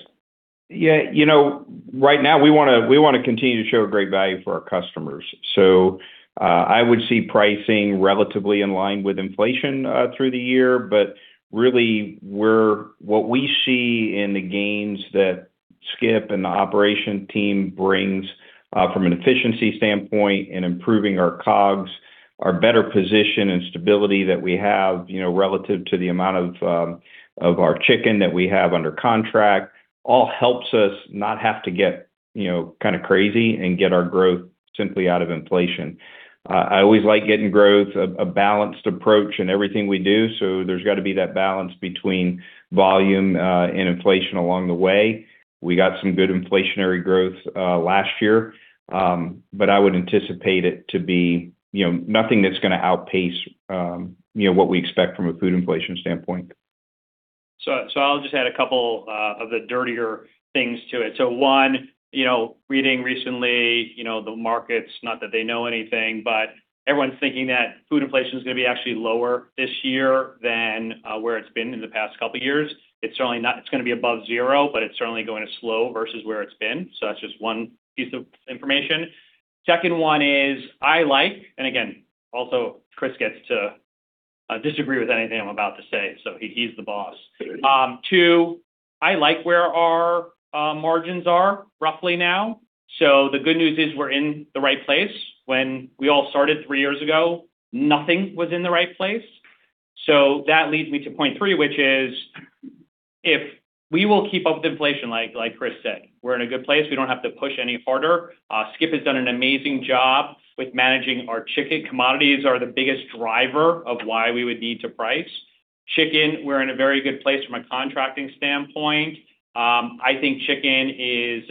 Speaker 2: Yeah, you know, right now we wanna continue to show a great value for our customers. I would see pricing relatively in line with inflation through the year. Really, what we see in the gains that Skip and the operation team brings from an efficiency standpoint in improving our COGS, our better position and stability that we have, you know, relative to the amount of our chicken that we have under contract, all helps us not have to get, you know, kind of crazy and get our growth simply out of inflation. I always like getting growth, a balanced approach in everything we do, so there's got to be that balance between volume and inflation along the way. We got some good inflationary growth last year. I would anticipate it to be, you know, nothing that's gonna outpace, you know, what we expect from a food inflation standpoint.
Speaker 1: I'll just add a couple of the dirtier things to it. One, you know, reading recently, you know, the markets, not that they know anything, but everyone's thinking that food inflation is going to be actually lower this year than where it's been in the past two years. It's certainly going to be above zero, but it's certainly going to slow versus where it's been. That's just one piece of information. Second, 1 is, I like, and again, also, Chris gets to disagree with anything I'm about to say, so he's the boss. two, I like where our margins are roughly now. The good news is we're in the right place. When we all started three years ago, nothing was in the right place. That leads me to point three, which is, if we will keep up with inflation, like Chris said, we're in a good place. We don't have to push any harder. Skip has done an amazing job with managing our chicken. Commodities are the biggest driver of why we would need to price. Chicken, we're in a very good place from a contracting standpoint. I think chicken is,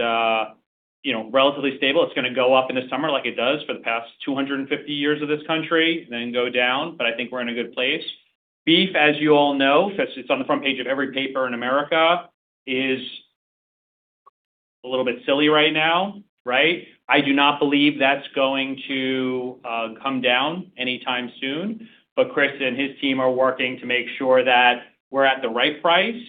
Speaker 1: you know, relatively stable. It's gonna go up in the summer like it does for the past 250 years of this country, then go down, but I think we're in a good place. Beef, as you all know, because it's on the front page of every paper in America, is a little bit silly right now, right? I do not believe that's going to come down anytime soon, but Chris and his team are working to make sure that we're at the right price.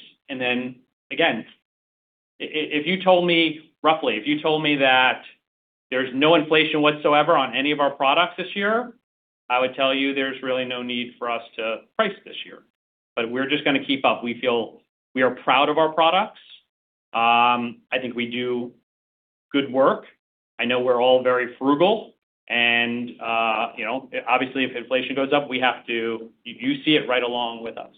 Speaker 1: If you told me, roughly, if you told me that there's no inflation whatsoever on any of our products this year, I would tell you there's really no need for us to price this year. We're just gonna keep up. We feel we are proud of our products. I think we do good work. I know we're all very frugal, and, you know, obviously, if inflation goes up, you see it right along with us.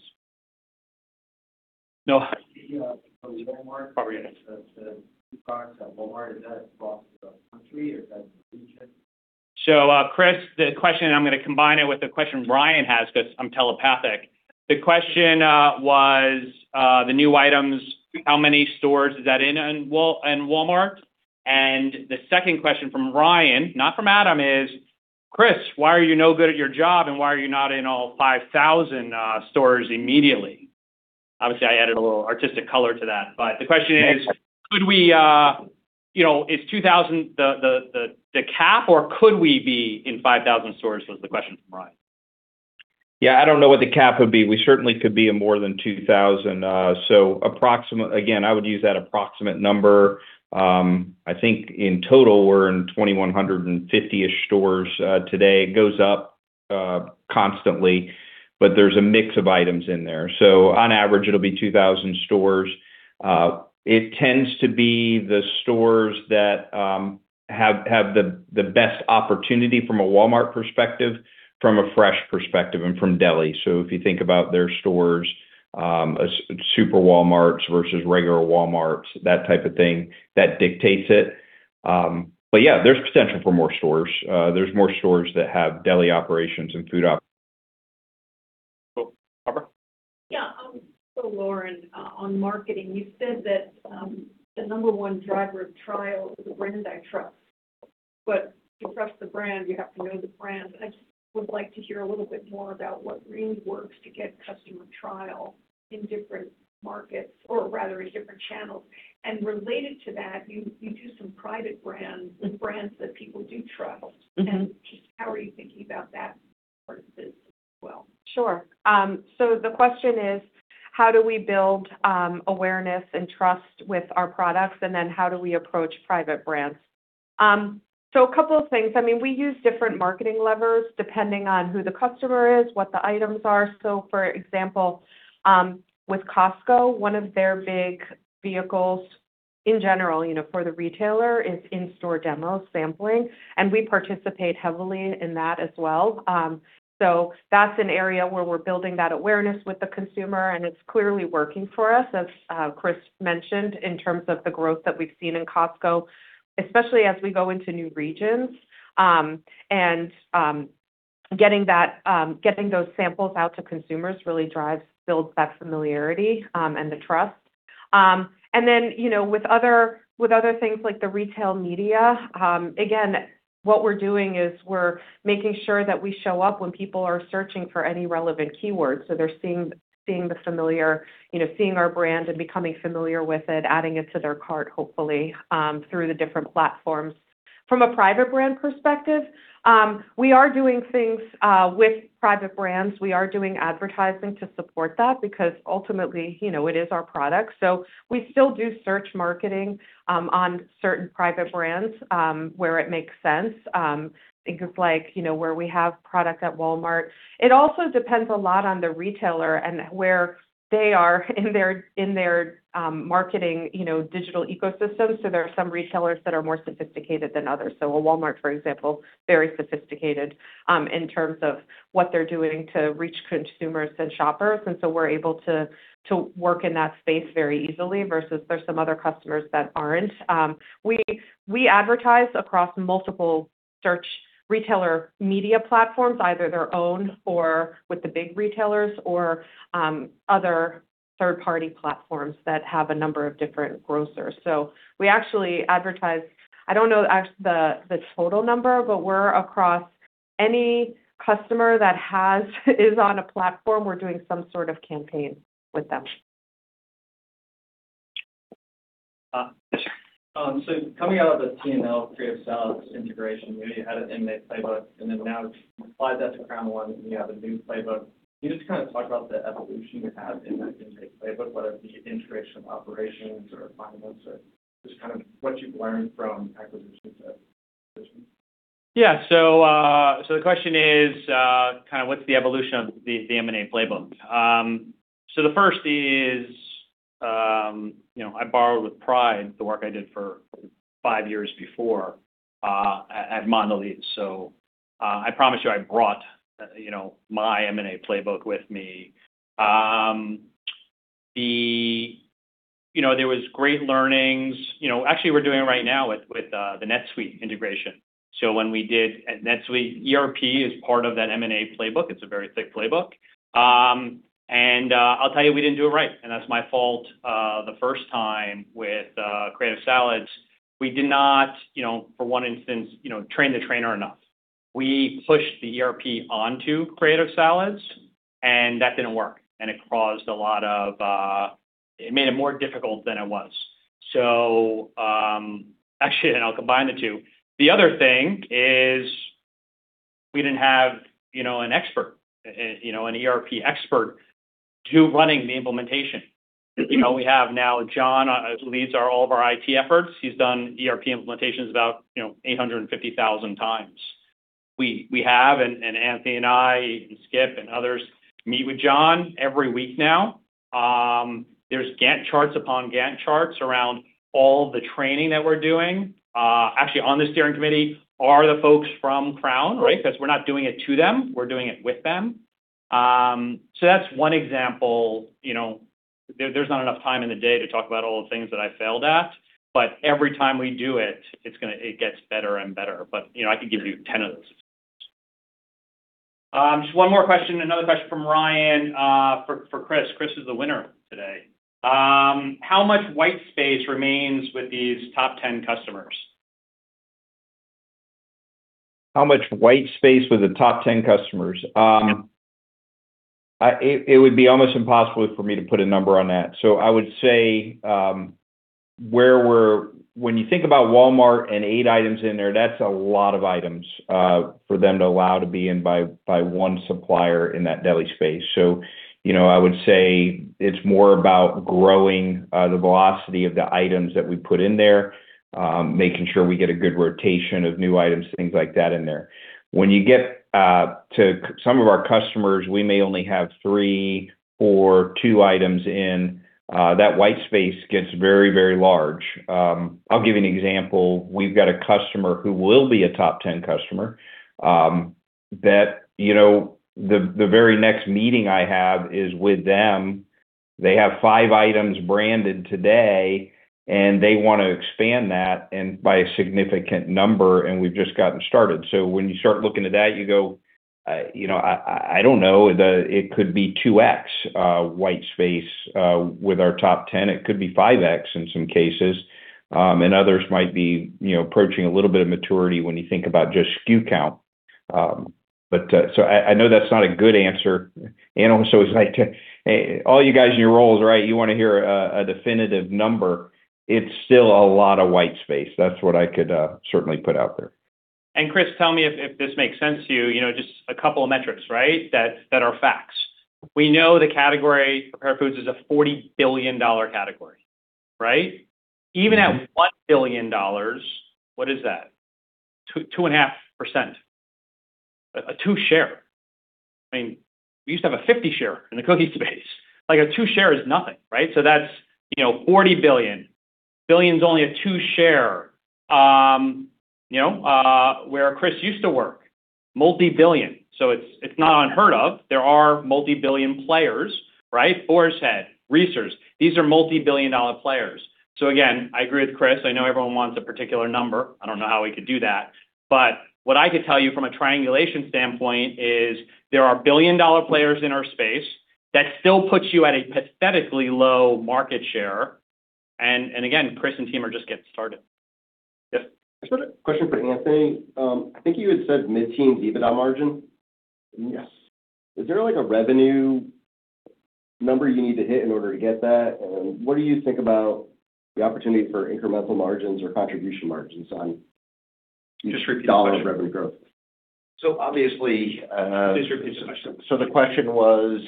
Speaker 11: No, Walmart.
Speaker 1: Oh, yeah.
Speaker 11: The products at Walmart, is that across the country or is that?
Speaker 1: Chris, the question, I'm gonna combine it with the question Ryan has, because I'm telepathic. The question was, the new items, how many stores is that in Walmart? The second question from Ryan, not from Adam, is, "Chris, why are you no good at your job, and why are you not in all 5,000 stores immediately?" Obviously, I added a little artistic color to that, but the question is: Could we, you know, is 2,000 the cap, or could we be in 5,000 stores? Was the question from Ryan.
Speaker 2: Yeah, I don't know what the cap would be. We certainly could be in more than 2,000. Again, I would use that approximate number. I think in total, we're in 2,150-ish stores, today. It goes up, constantly, but there's a mix of items in there. On average, it'll be 2,000 stores. It tends to be the stores that have the best opportunity from a Walmart perspective, from a fresh perspective, and from deli. If you think about their stores, a Super Walmarts versus regular Walmarts, that type of thing, that dictates it. Yeah, there's potential for more stores. There's more stores that have deli operations and food.
Speaker 1: Barbara?
Speaker 11: Yeah, Lauren, on marketing, you said that, the number one driver of trial is a brand I trust. To trust the brand, you have to know the brand. I just would like to hear a little bit more about what really works to get customer trial in different markets, or rather, in different channels. Related to that, you do some private brands that people do trust.
Speaker 3: Mm-hmm.
Speaker 11: Just how are you thinking about that part as well?
Speaker 3: Sure. The question is, how do we build awareness and trust with our products, and then how do we approach private brands? A couple of things. I mean, we use different marketing levers depending on who the customer is, what the items are. For example, with Costco, one of their big vehicles in general, you know, for the retailer, is in-store demos, sampling, and we participate heavily in that as well. That's an area where we're building that awareness with the consumer, and it's clearly working for us, as Chris mentioned, in terms of the growth that we've seen in Costco, especially as we go into new regions. Getting that, getting those samples out to consumers really drives, builds that familiarity and the trust. You know, with other, with other things like the retail media, again, what we're doing is we're making sure that we show up when people are searching for any relevant keywords. They're seeing the familiar, you know, seeing our brand and becoming familiar with it, adding it to their cart, hopefully, through the different platforms. From a private brand perspective, we are doing things with private brands. We are doing advertising to support that because ultimately, you know, it is our product. We still do search marketing, on certain private brands, where it makes sense. Think of like, you know, where we have product at Walmart. It also depends a lot on the retailer and where they are in their, in their, marketing, you know, digital ecosystem. There are some retailers that are more sophisticated than others. A Walmart, for example, very sophisticated in terms of what they're doing to reach consumers and shoppers, and so we're able to work in that space very easily versus there's some other customers that aren't. We advertise across multiple search retailer media platforms, either their own or with the big retailers or other third-party platforms that have a number of different grocers. We actually advertise. I don't know the total number, but we're across any customer that is on a platform, we're doing some sort of campaign with them.
Speaker 12: Coming out of the T&L Creative Salads integration, you had an M&A playbook, and then now apply that to Crown I, and you have a new playbook. Can you just kind of talk about the evolution you have in that M&A playbook, whether it be integration, operations or finance, or just kind of what you've learned from acquisition to acquisition?
Speaker 1: Yeah. The question is, kind of what's the evolution of the M&A playbook? The first is, you know, I borrowed with pride the work I did for five years before at Mondelēz. I promise you, I brought, you know, my M&A playbook with me. You know, there was great learnings. You know, actually, we're doing it right now with the NetSuite integration. When we did NetSuite, ERP is part of that M&A playbook. It's a very thick playbook. I'll tell you, we didn't do it right, and that's my fault. The first time with Creative Salads, we did not, you know, for one instance, you know, train the trainer enough. We pushed the ERP onto Creative Salads, and that didn't work, and it caused a lot of. It made it more difficult than it was. Actually, I'll combine the two. The other thing is, we didn't have, you know, an expert, you know, an ERP expert to running the implementation. You know, we have now John leads all of our IT efforts. He's done ERP implementations about, you know, 850,000 times. We have, and Anthony and I, and Skip and others, meet with John every week now. There's Gantt charts upon Gantt charts around all the training that we're doing. Actually, on the steering committee are the folks from Crown, right? We're not doing it to them, we're doing it with them. That's one example, you know, there's not enough time in the day to talk about all the things that I failed at, but every time we do it gets better and better. You know, I could give you ten of those. Just one more question, another question from Ryan, for Chris. Chris is the winner today. How much white space remains with these top ten customers?
Speaker 2: How much white space with the top 10 customers? It would be almost impossible for me to put a number on that. I would say, when you think about Walmart and eight items in there, that's a lot of items for them to allow to be in by one supplier in that deli space. You know, I would say it's more about growing the velocity of the items that we put in there, making sure we get a good rotation of new items, things like that in there. When you get to some of our customers, we may only have three or two items in, that white space gets very, very large. I'll give you an example. We've got a customer who will be a top 10 customer, that, you know, the very next meeting I have is with them. They have five items branded today, and they want to expand that and by a significant number, and we've just gotten started. When you start looking at that, you go, you know, I don't know. It could be 2x white space with our top 10. It could be 5x in some cases, and others might be, you know, approaching a little bit of maturity when you think about just SKU count. I know that's not a good answer, and also, it's like, all you guys in your roles, right? You wanna hear a definitive number. It's still a lot of white space. That's what I could, certainly put out there.
Speaker 1: Chris, tell me if this makes sense to you. You know, just a couple of metrics, right? That are facts. We know the category, prepared foods, is a $40 billion category, right?
Speaker 2: Mm-hmm.
Speaker 1: Even at $1 billion, what is that? 2.5%. A two share. I mean, we used to have a 50 share in the cookie space. Like, a twoshare is nothing, right? That's, you know, $40 billion. Billion is only a two share. You know, where Chris used to work, multi-billion, it's not unheard of. There are multi-billion players, right? Boar's Head, Reser's, these are multi-billion dollar players. Again, I agree with Chris. I know everyone wants a particular number. I don't know how we could do that, but what I could tell you from a triangulation standpoint is there are billion-dollar players in our space that still puts you at a pathetically low market share. Again, Chris and team are just getting started. Yep.
Speaker 12: I just had a question for Anthony. I think you had said mid-teens EBITDA margin?
Speaker 6: Yes.
Speaker 12: Is there, like, a revenue-?...
Speaker 1: number you need to hit in order to get that, what do you think about the opportunity for incremental margins or contribution margins on...
Speaker 2: Just repeat the question.
Speaker 1: Dollar revenue growth?
Speaker 2: obviously.
Speaker 1: Please repeat the question.
Speaker 2: The question was,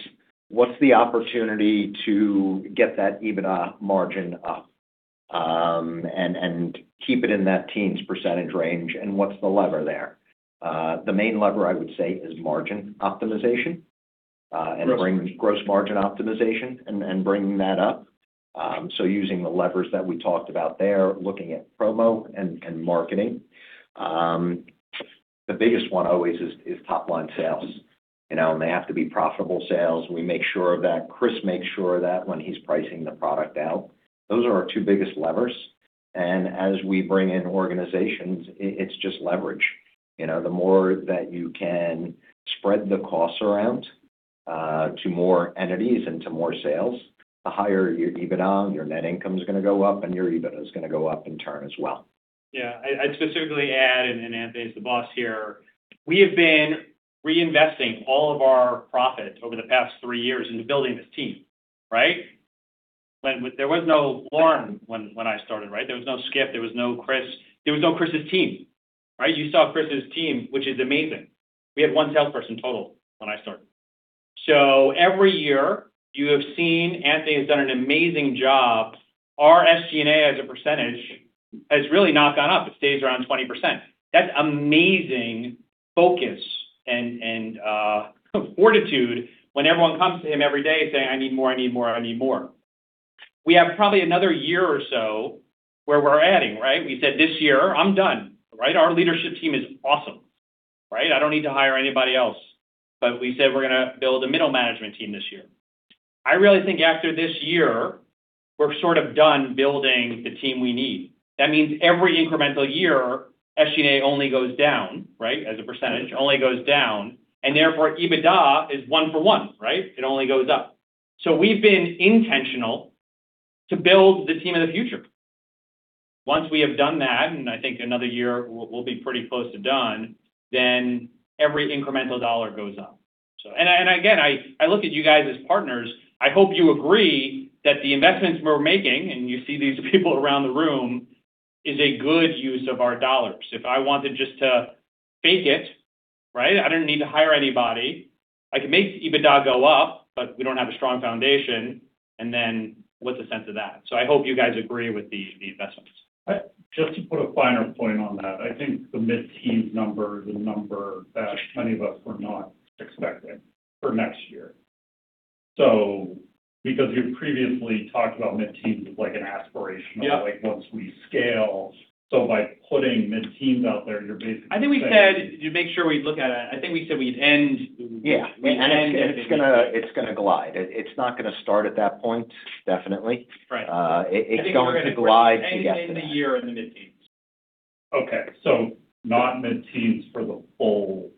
Speaker 2: what's the opportunity to get that EBITDA margin up, and keep it in that teens percentage range, and what's the lever there? The main lever I would say is margin optimization.
Speaker 1: Gross.
Speaker 2: Gross margin optimization and bringing that up. Using the levers that we talked about there, looking at promo and marketing. The biggest one always is top-line sales. You know, and they have to be profitable sales. We make sure of that. Chris makes sure of that when he's pricing the product out. Those are our two biggest levers, and as we bring in organizations, it's just leverage. You know, the more that you can spread the costs around to more entities and to more sales, the higher your EBITDA, your net income is gonna go up, and your EBITDA is gonna go up in turn as well.
Speaker 1: I'd specifically add, Anthony is the boss here, we have been reinvesting all of our profit over the past three years into building this team, right? There was no Lauren when I started, right? There was no Skip, there was no Chris, there was no Chris's team, right? You saw Chris's team, which is amazing. We had one salesperson total when I started. Every year, you have seen Anthony has done an amazing job. Our SG&A as a percentage has really not gone up. It stays around 20%. That's amazing focus and fortitude when everyone comes to him every day saying, "I need more, I need more, I need more." We have probably another year or so where we're adding, right? We said, this year, I'm done, right? Our leadership team is awesome, right? I don't need to hire anybody else. We said we're gonna build a middle management team this year. I really think after this year, we're sort of done building the team we need. That means every incremental year, SG&A only goes down, right, as a percentage, only goes down, and therefore, EBITDA is one for one, right? It only goes up. We've been intentional to build the team of the future. Once we have done that, I think another year we'll be pretty close to done, then every incremental dollar goes up. Again, I look at you guys as partners. I hope you agree that the investments we're making, and you see these people around the room, is a good use of our dollars. If I wanted just to fake it, right, I didn't need to hire anybody. I can make EBITDA go up, but we don't have a strong foundation, and then what's the sense of that? I hope you guys agree with the investments.
Speaker 7: Just to put a finer point on that, I think the mid-teens number is a number that many of us were not expecting for next year. Because you previously talked about mid-teens as, like, an.
Speaker 1: Yeah
Speaker 7: like, once we scale. By putting mid-teens out there, you're basically saying-
Speaker 1: I think we said to make sure we look at it, I think we said.
Speaker 2: Yeah.
Speaker 1: We end-
Speaker 2: It's gonna glide. It's not gonna start at that point, definitely.
Speaker 1: Right.
Speaker 2: It's going to glide to get there.
Speaker 1: Ending the year in the mid-teens.
Speaker 7: Okay. Not mid-teens for the full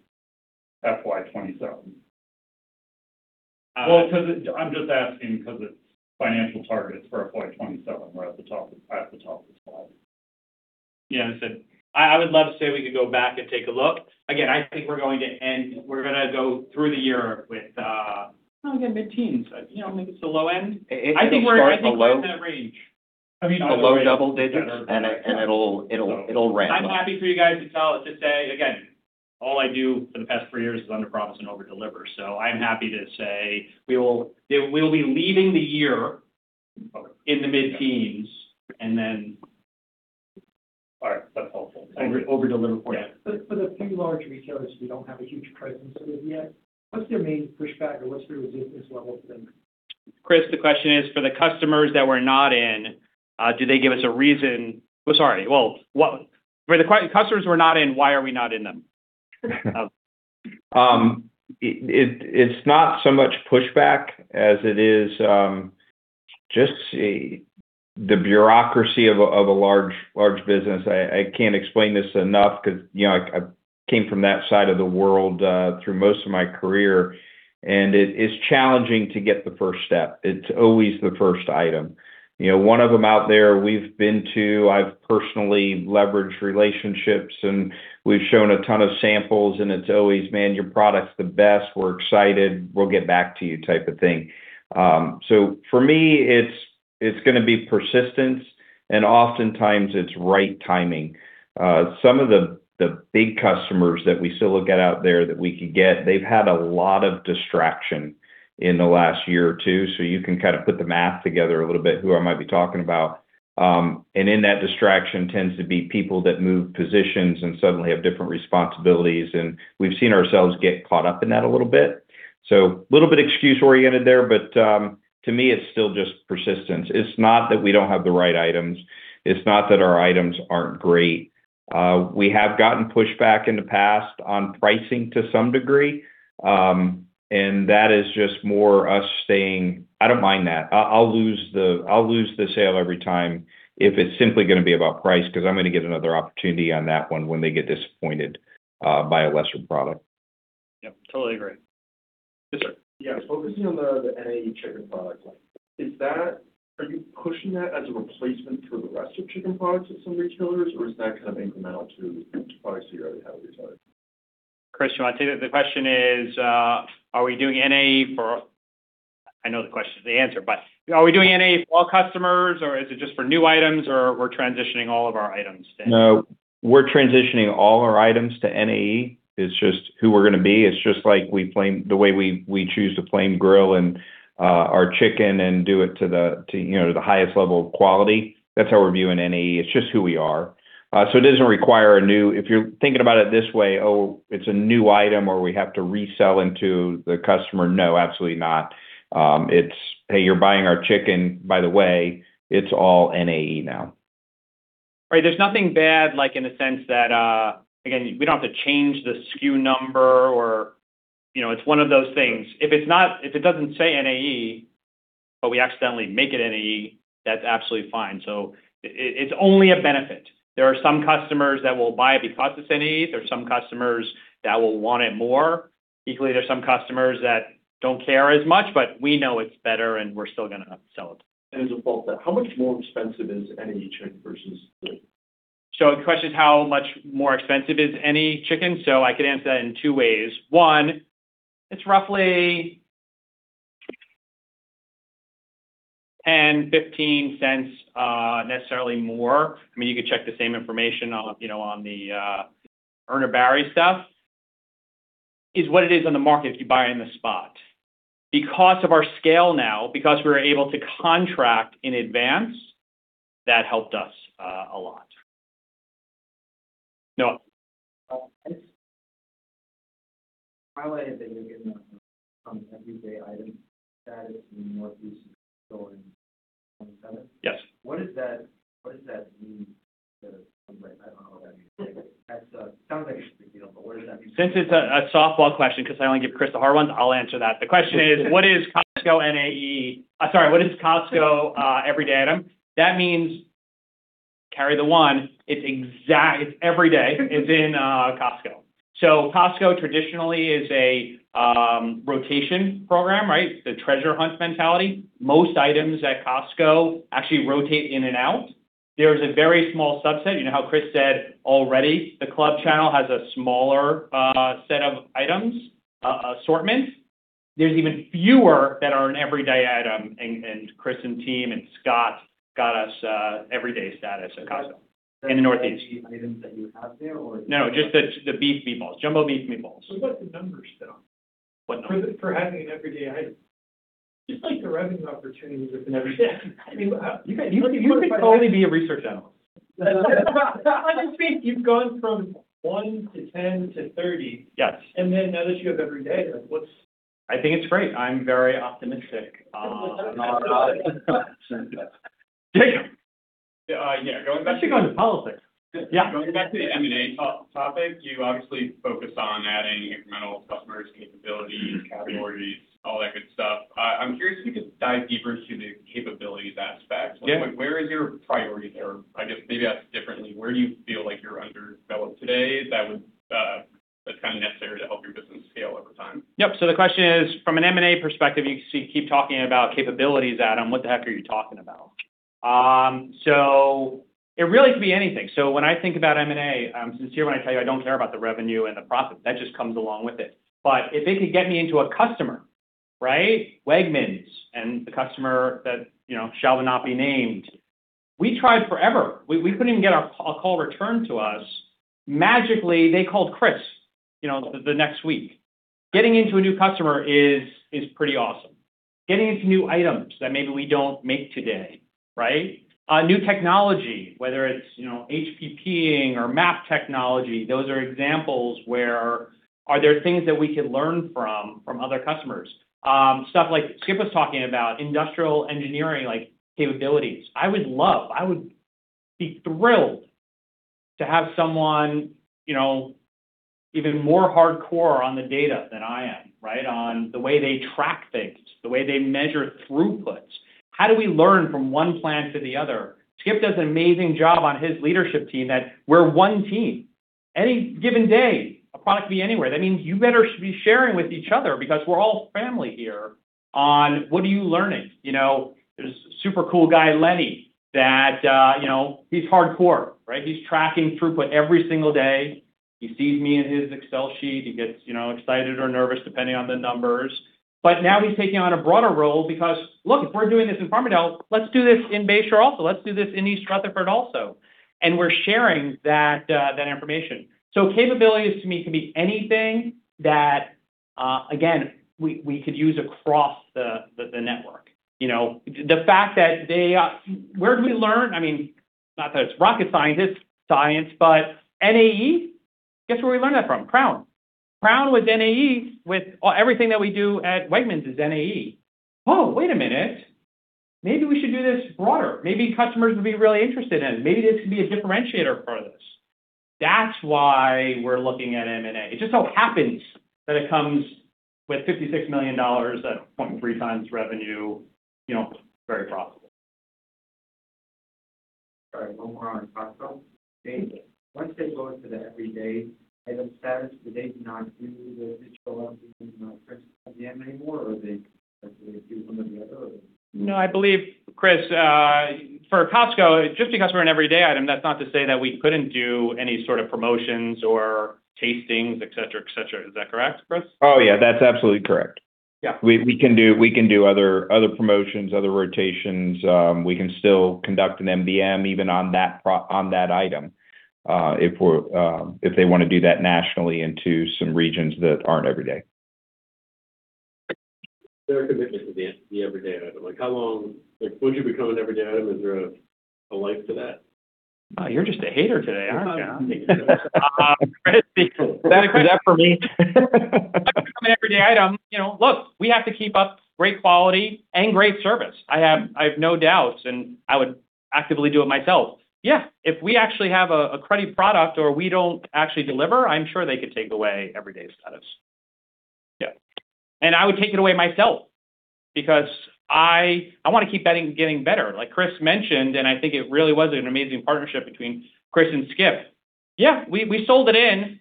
Speaker 7: FY 2027.
Speaker 1: Uh-
Speaker 7: Well, 'cause I'm just asking because the financial targets for Fiscal 2027 were at the top of the slide.
Speaker 1: Yeah, I said I would love to say we could go back and take a look. Again, I think we're gonna go through the year with, again, mid-teens, you know, maybe it's the low end.
Speaker 2: It will start.
Speaker 1: I think we're in that range.
Speaker 7: I mean-
Speaker 2: The low double digits, and it'll ramp.
Speaker 1: I'm happy for you guys to say. Again, all I do for the past three years is underpromise and overdeliver, so I'm happy to say that we'll be leaving the year in the mid-teens.
Speaker 7: All right. That's helpful. Thank you.
Speaker 2: Overdeliver for you.
Speaker 1: Yeah.
Speaker 8: For the few large retailers, we don't have a huge presence with yet. What's their main pushback, or what's their resistance level then?
Speaker 1: Chris, the question is, for the customers that we're not in, Well, sorry. Well, for the client, customers we're not in, why are we not in them?
Speaker 2: It's not so much pushback as it is just the bureaucracy of a large business. I can't explain this enough 'cause, you know, I came from that side of the world through most of my career, it is challenging to get the first step. It's always the first item. You know, one of them out there, we've been to, I've personally leveraged relationships, and we've shown a ton of samples, and it's always: "Man, your product's the best. We're excited. We'll get back to you," type of thing. For me, it's gonna be persistence, and oftentimes, it's right timing. Some of the big customers that we still look at out there that we could get, they've had a lot of distraction in the last year or two, so you can kind of put the math together a little bit, who I might be talking about. And in that distraction tends to be people that move positions and suddenly have different responsibilities, and we've seen ourselves get caught up in that a little bit. A little bit excuse-oriented there, but to me, it's still just persistence. It's not that we don't have the right items, it's not that our items aren't great. We have gotten pushback in the past on pricing to some degree, and that is just more us saying, "I don't mind that. I'll lose the sale every time if it's simply gonna be about price, 'cause I'm gonna get another opportunity on that one when they get disappointed by a lesser product.
Speaker 1: Yep, totally agree. Yes, sir.
Speaker 13: Yeah. Focusing on the NAE chicken product line, are you pushing that as a replacement for the rest of chicken products with some retailers, or is that kind of incremental to products that you already have with retailers?...
Speaker 1: Chris, you want to? The question is, I know the question is the answer, but are we doing NAE for all customers, or is it just for new items, or we're transitioning all of our items then?
Speaker 2: No, we're transitioning all our items to NAE. It's just who we're going to be. It's just like we flame, the way we choose to flame grill and our chicken and do it to the, to, you know, the highest level of quality. That's how we're viewing NAE. It's just who we are. It doesn't require a new If you're thinking about it this way, "Oh, it's a new item, or we have to resell into the customer," no, absolutely not. It's, "Hey, you're buying our chicken. By the way, it's all NAE now.
Speaker 1: Right, there's nothing bad, like, in the sense that. Again, we don't have to change the SKU number or, you know, it's one of those things. If it's not, if it doesn't say NAE, but we accidentally make it NAE, that's absolutely fine. It's only a benefit. There are some customers that will buy it because it's NAE. There are some customers that will want it more. Equally, there are some customers that don't care as much, but we know it's better, and we're still going to sell it.
Speaker 8: As a follow-up, how much more expensive is NAE chicken versus the.
Speaker 1: The question is, how much more expensive is NAE chicken? I could answer that in two ways. One, it's roughly $0.10-$0.15, necessarily more. I mean, you could check the same information on, you know, on the Urner Barry stuff. Is what it is on the market if you buy it on the spot. Because of our scale now, because we're able to contract in advance, that helped us a lot. No.
Speaker 8: It's highlighted that you're getting on everyday items, that is in Northeast going 7?
Speaker 1: Yes.
Speaker 8: What does that mean? I don't know what that means. That sounds like you, but what does that mean?
Speaker 1: Since it's a softball question, 'cause I only give Chris the hard ones, I'll answer that. The question is, what is Costco NAE? Sorry, what is Costco, everyday item? That means carry the one. It's every day, it's in Costco. Costco traditionally is a rotation program, right? The treasure hunt mentality. Most items at Costco actually rotate in and out. There is a very small subset. You know how Chris said already, the club channel has a smaller set of items, assortment. There's even fewer that are an everyday item, and Chris, and team, and Scott got us everyday status at Costco in the Northeast.
Speaker 8: Items that you have there.
Speaker 1: No, just the beef meatballs, jumbo beef meatballs.
Speaker 8: What are the numbers, though?
Speaker 1: What numbers?
Speaker 8: For having an everyday item. Just like the revenue opportunities with an everyday item. I mean, you guys.
Speaker 1: You could totally be a research analyst.
Speaker 8: I just mean, you've gone from one to 10 to 30.
Speaker 1: Yes.
Speaker 8: Now that you have every day, like...
Speaker 1: I think it's great. I'm very optimistic about it. Damn.
Speaker 14: Yeah.
Speaker 2: I should go into politics.
Speaker 1: Yeah.
Speaker 14: Going back to the M&A to-topic, you obviously focus on adding incremental customers, capabilities, categories, all that good stuff. I'm curious if you could dive deeper into the capabilities aspect.
Speaker 1: Yeah.
Speaker 14: Like, where is your priority there? I guess, maybe ask differently, where do you feel like you're underdeveloped today that would, that's kind of necessary to help your business scale over time?
Speaker 1: Yep. The question is, from an M&A perspective, you keep talking about capabilities, Adam, what the heck are you talking about? It really could be anything. When I think about M&A, I'm sincere when I tell you, I don't care about the revenue and the profit, that just comes along with it. If they could get me into a customer, right? Wegmans and the customer that, you know, shall not be named, we tried forever. We couldn't even get a call returned to us. Magically, they called Chris, you know, the next week. Getting into a new customer is pretty awesome. Getting into new items that maybe we don't make today, right? New technology, whether it's, you know, HPPing or MAP technology. Those are examples where. Are there things that we could learn from other customers? Stuff like Skip was talking about, industrial engineering, like capabilities. I would love, I would be thrilled to have someone, you know, even more hardcore on the data than I am, right? On the way they track things, the way they measure throughput. How do we learn from one plant to the other? Skip does an amazing job on his leadership team, that we're one team. Any given day, a product be anywhere. That means you better be sharing with each other because we're all family here. On, what are you learning? You know, there's a super cool guy, Lenny, that, you know, he's hardcore, right? He's tracking throughput every single day. He sees me in his Excel sheet, he gets, you know, excited or nervous, depending on the numbers. Now he's taking on a broader role because, look, if we're doing this in Farmingdale, let's do this in Bayshore also. Let's do this in East Rutherford also. We're sharing that information. Capabilities to me can be anything that again, we could use across the network. You know, the fact that they, where do we learn? I mean, not that it's rocket scientist science, but NAE, guess where we learned that from? Crown with NAE, with, well, everything that we do at Wegmans is NAE. Oh, wait a minute, maybe we should do this broader. Maybe customers would be really interested in it. Maybe this could be a differentiator for this. That's why we're looking at M&A. It just so happens that it comes with $56 million at 0.3x revenue, you know, very profitable.
Speaker 8: All right, one more on Costco. Once they go into the everyday item status, do they do not do the-... anymore, or they do something else?
Speaker 1: No, I believe, Chris, for Costco, just because we're an everyday item, that's not to say that we couldn't do any sort of promotions or tastings, et cetera, et cetera. Is that correct, Chris?
Speaker 2: Oh, yeah, that's absolutely correct.
Speaker 1: Yeah.
Speaker 2: We can do other promotions, other rotations. We can still conduct an MBM even on that item, if we're if they wanna do that nationally into some regions that aren't every day.
Speaker 8: There are commitments to the everyday item. Like, once you become an everyday item, is there a life to that?
Speaker 1: You're just a hater today, aren't you?
Speaker 2: Is that for me?
Speaker 1: Everyday item, you know, look, we have to keep up great quality and great service. I have no doubts, and I would actively do it myself. Yeah, if we actually have a cruddy product or we don't actually deliver, I'm sure they could take away everyday status. Yeah. I would take it away myself because I wanna keep getting better. Like Chris mentioned, I think it really was an amazing partnership between Chris and Skip. Yeah, we sold it in,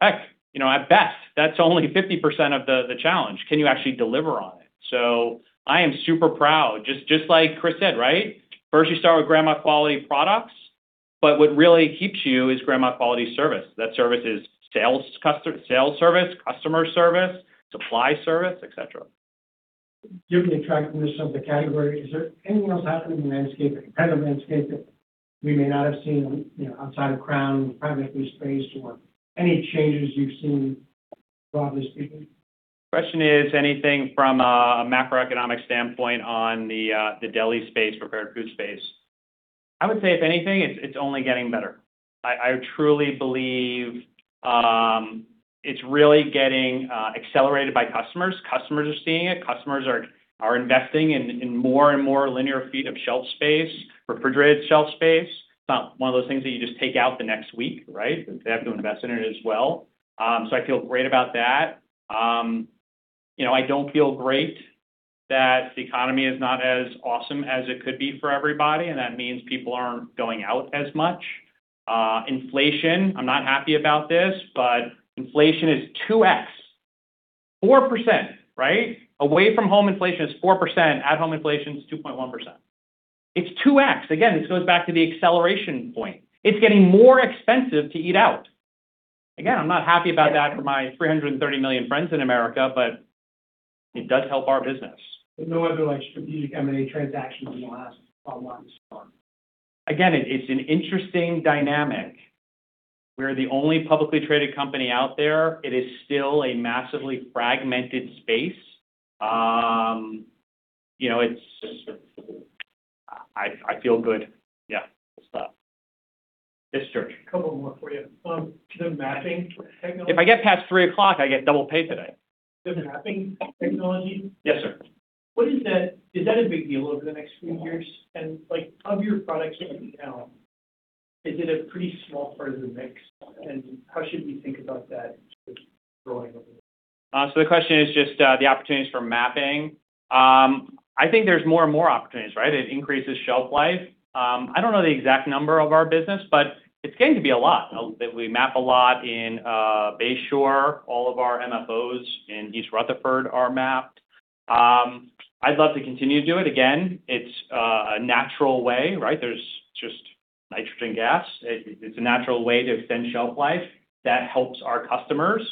Speaker 1: heck, you know, at best, that's only 50% of the challenge. Can you actually deliver on it? I am super proud, just like Chris said, right? First, you start with Grandma Quality products, what really keeps you is Grandma Quality service. That service is sales customer, sales service, customer service, supply service, et cetera.
Speaker 8: Given the attractiveness of the category, is there anything else happening in the landscape that we may not have seen, you know, outside of Crown, privately spaced or any changes you've seen, broadly speaking?
Speaker 1: Question is, anything from a macroeconomic standpoint on the deli space, prepared food space? I would say, if anything, it's only getting better. I truly believe, it's really getting accelerated by customers. Customers are seeing it. Customers are investing in more and more linear feet of shelf space, refrigerated shelf space. It's not one of those things that you just take out the next week, right? They have to invest in it as well. I feel great about that. You know, I don't feel great that the economy is not as awesome as it could be for everybody, that means people aren't going out as much. Inflation, I'm not happy about this, inflation is 2x, 4%, right? Away from home, inflation is 4%. At home, inflation is 2.1%. It's 2x. This goes back to the acceleration point. It's getting more expensive to eat out. I'm not happy about that for my 330 million friends in America, but it does help our business.
Speaker 8: No other, like, strategic M&A transactions in the last how long so far?
Speaker 1: Again, it's an interesting dynamic. We're the only publicly traded company out there. It is still a massively fragmented space. you know, it's. I feel good. Yeah, so. Yes, George.
Speaker 8: A couple more for you. The MAP technology.
Speaker 1: If I get past 3 o'clock, I get double pay today.
Speaker 8: The MAP technology?
Speaker 1: Yes, sir.
Speaker 8: Is that a big deal over the next few years? like, of your products in account, is it a pretty small part of the mix, and how should we think about that growing?
Speaker 1: Uh, so the question is just, uh, the opportunities for MAP. Um, I think there's more and more opportunities, right? It increases shelf life. Um, I don't know the exact number of our business, but it's getting to be a lot. Uh, we map a lot in, uh, Bayshore. All of our MFOs in East Rutherford are mapped. Um, I'd love to continue to do it. Again, it's uh, a natural way, right? There's just nitrogen gas. It, it's a natural way to extend shelf life. That helps our customers,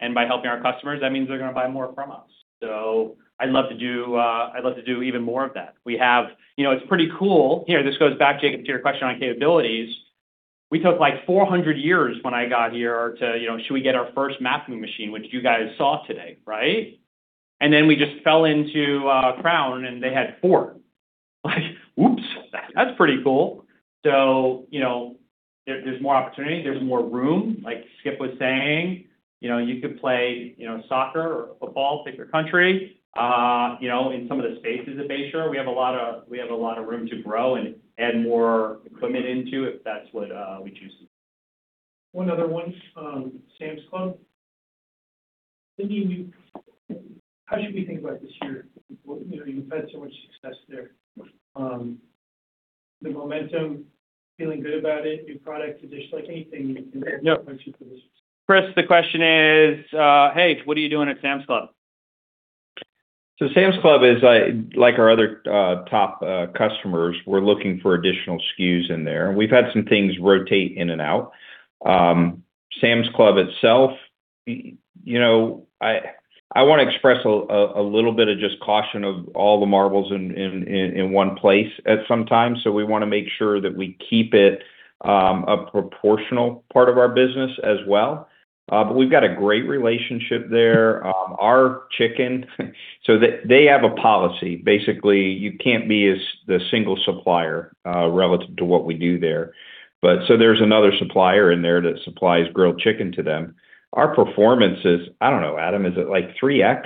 Speaker 1: and by helping our customers, that means they're gonna buy more from us. So I'd love to do, uh, I'd love to do even more of that. We have... You know, it's pretty cool. You know, this goes back, Jacob, to your question on capabilities. We took, like, 400 years when I got here to, you know, should we get our first MAP machine, which you guys saw today, right? Then we just fell into Crown, and they had four. Like, oops, that's pretty cool. You know, there's more opportunity, there's more room. Like Skip was saying, you know, you could play, you know, soccer or football, pick your country. You know, in some of the spaces at Bayshore, we have a lot of, we have a lot of room to grow and add more equipment into, if that's what we choose to do.
Speaker 8: One other one, Sam's Club. How should we think about this year? You know, you've had so much success there. The momentum, feeling good about it, new product additions, like, anything you can.
Speaker 1: Yep. Chris, the question is, hey, what are you doing at Sam's Club?
Speaker 2: Sam's Club is like our other top customers. We're looking for additional SKUs in there. We've had some things rotate in and out. Sam's Club itself, you know, I wanna express a little bit of just caution of all the marbles in one place at some time. We wanna make sure that we keep it a proportional part of our business as well. We've got a great relationship there. Our chicken. They have a policy. Basically, you can't be as the single supplier relative to what we do there. There's another supplier in there that supplies grilled chicken to them. Our performance is, I don't know, Adam, is it like 3x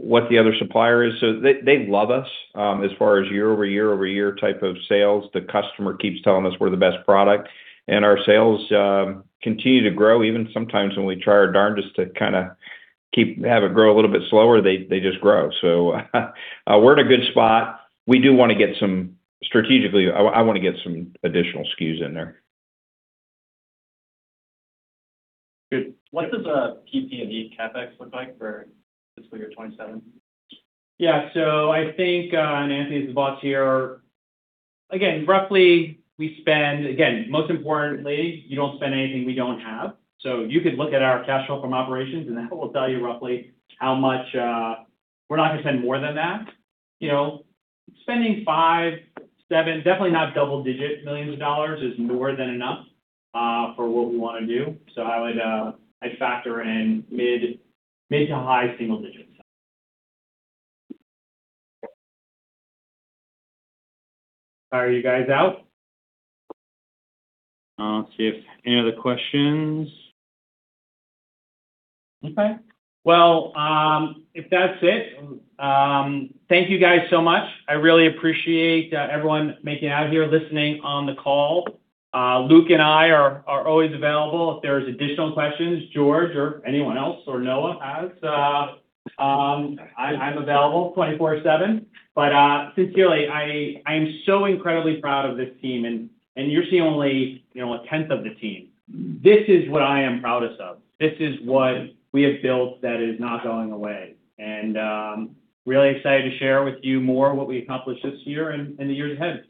Speaker 2: what the other supplier is? They love us. As far as year over year over year type of sales, the customer keeps telling us we're the best product, and our sales continue to grow. Even sometimes when we try our darnedest to kinda have it grow a little bit slower, they just grow. We're in a good spot. We do want to get some. Strategically, I wanna get some additional SKUs in there.
Speaker 1: Good.
Speaker 8: What does the PP&E CapEx look like for Fiscal 2027?
Speaker 1: Yeah. I think, Anthony is the boss here. Roughly, we spend... Again, most importantly, you don't spend anything we don't have. You could look at our cash flow from operations, that will tell you roughly how much, we're not gonna spend more than that. You know, spending five, seven, definitely not digit million dollars is more than enough, for what we wanna do. I would, I'd factor in mid to high single digits. Are you guys out? I'll see if any other questions. Okay. Well, if that's it, thank you guys so much. I really appreciate, everyone making it out here, listening on the call. Luke and I are always available. If there's additional questions, George or anyone else, or Noah has, I'm available 24/7. Sincerely, I'm so incredibly proud of this team, and you're seeing only, you know, a tenth of the team. This is what I am proudest of. This is what we have built that is not going away. Really excited to share with you more what we accomplished this year and in the years ahead.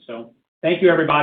Speaker 1: Thank you, everybody.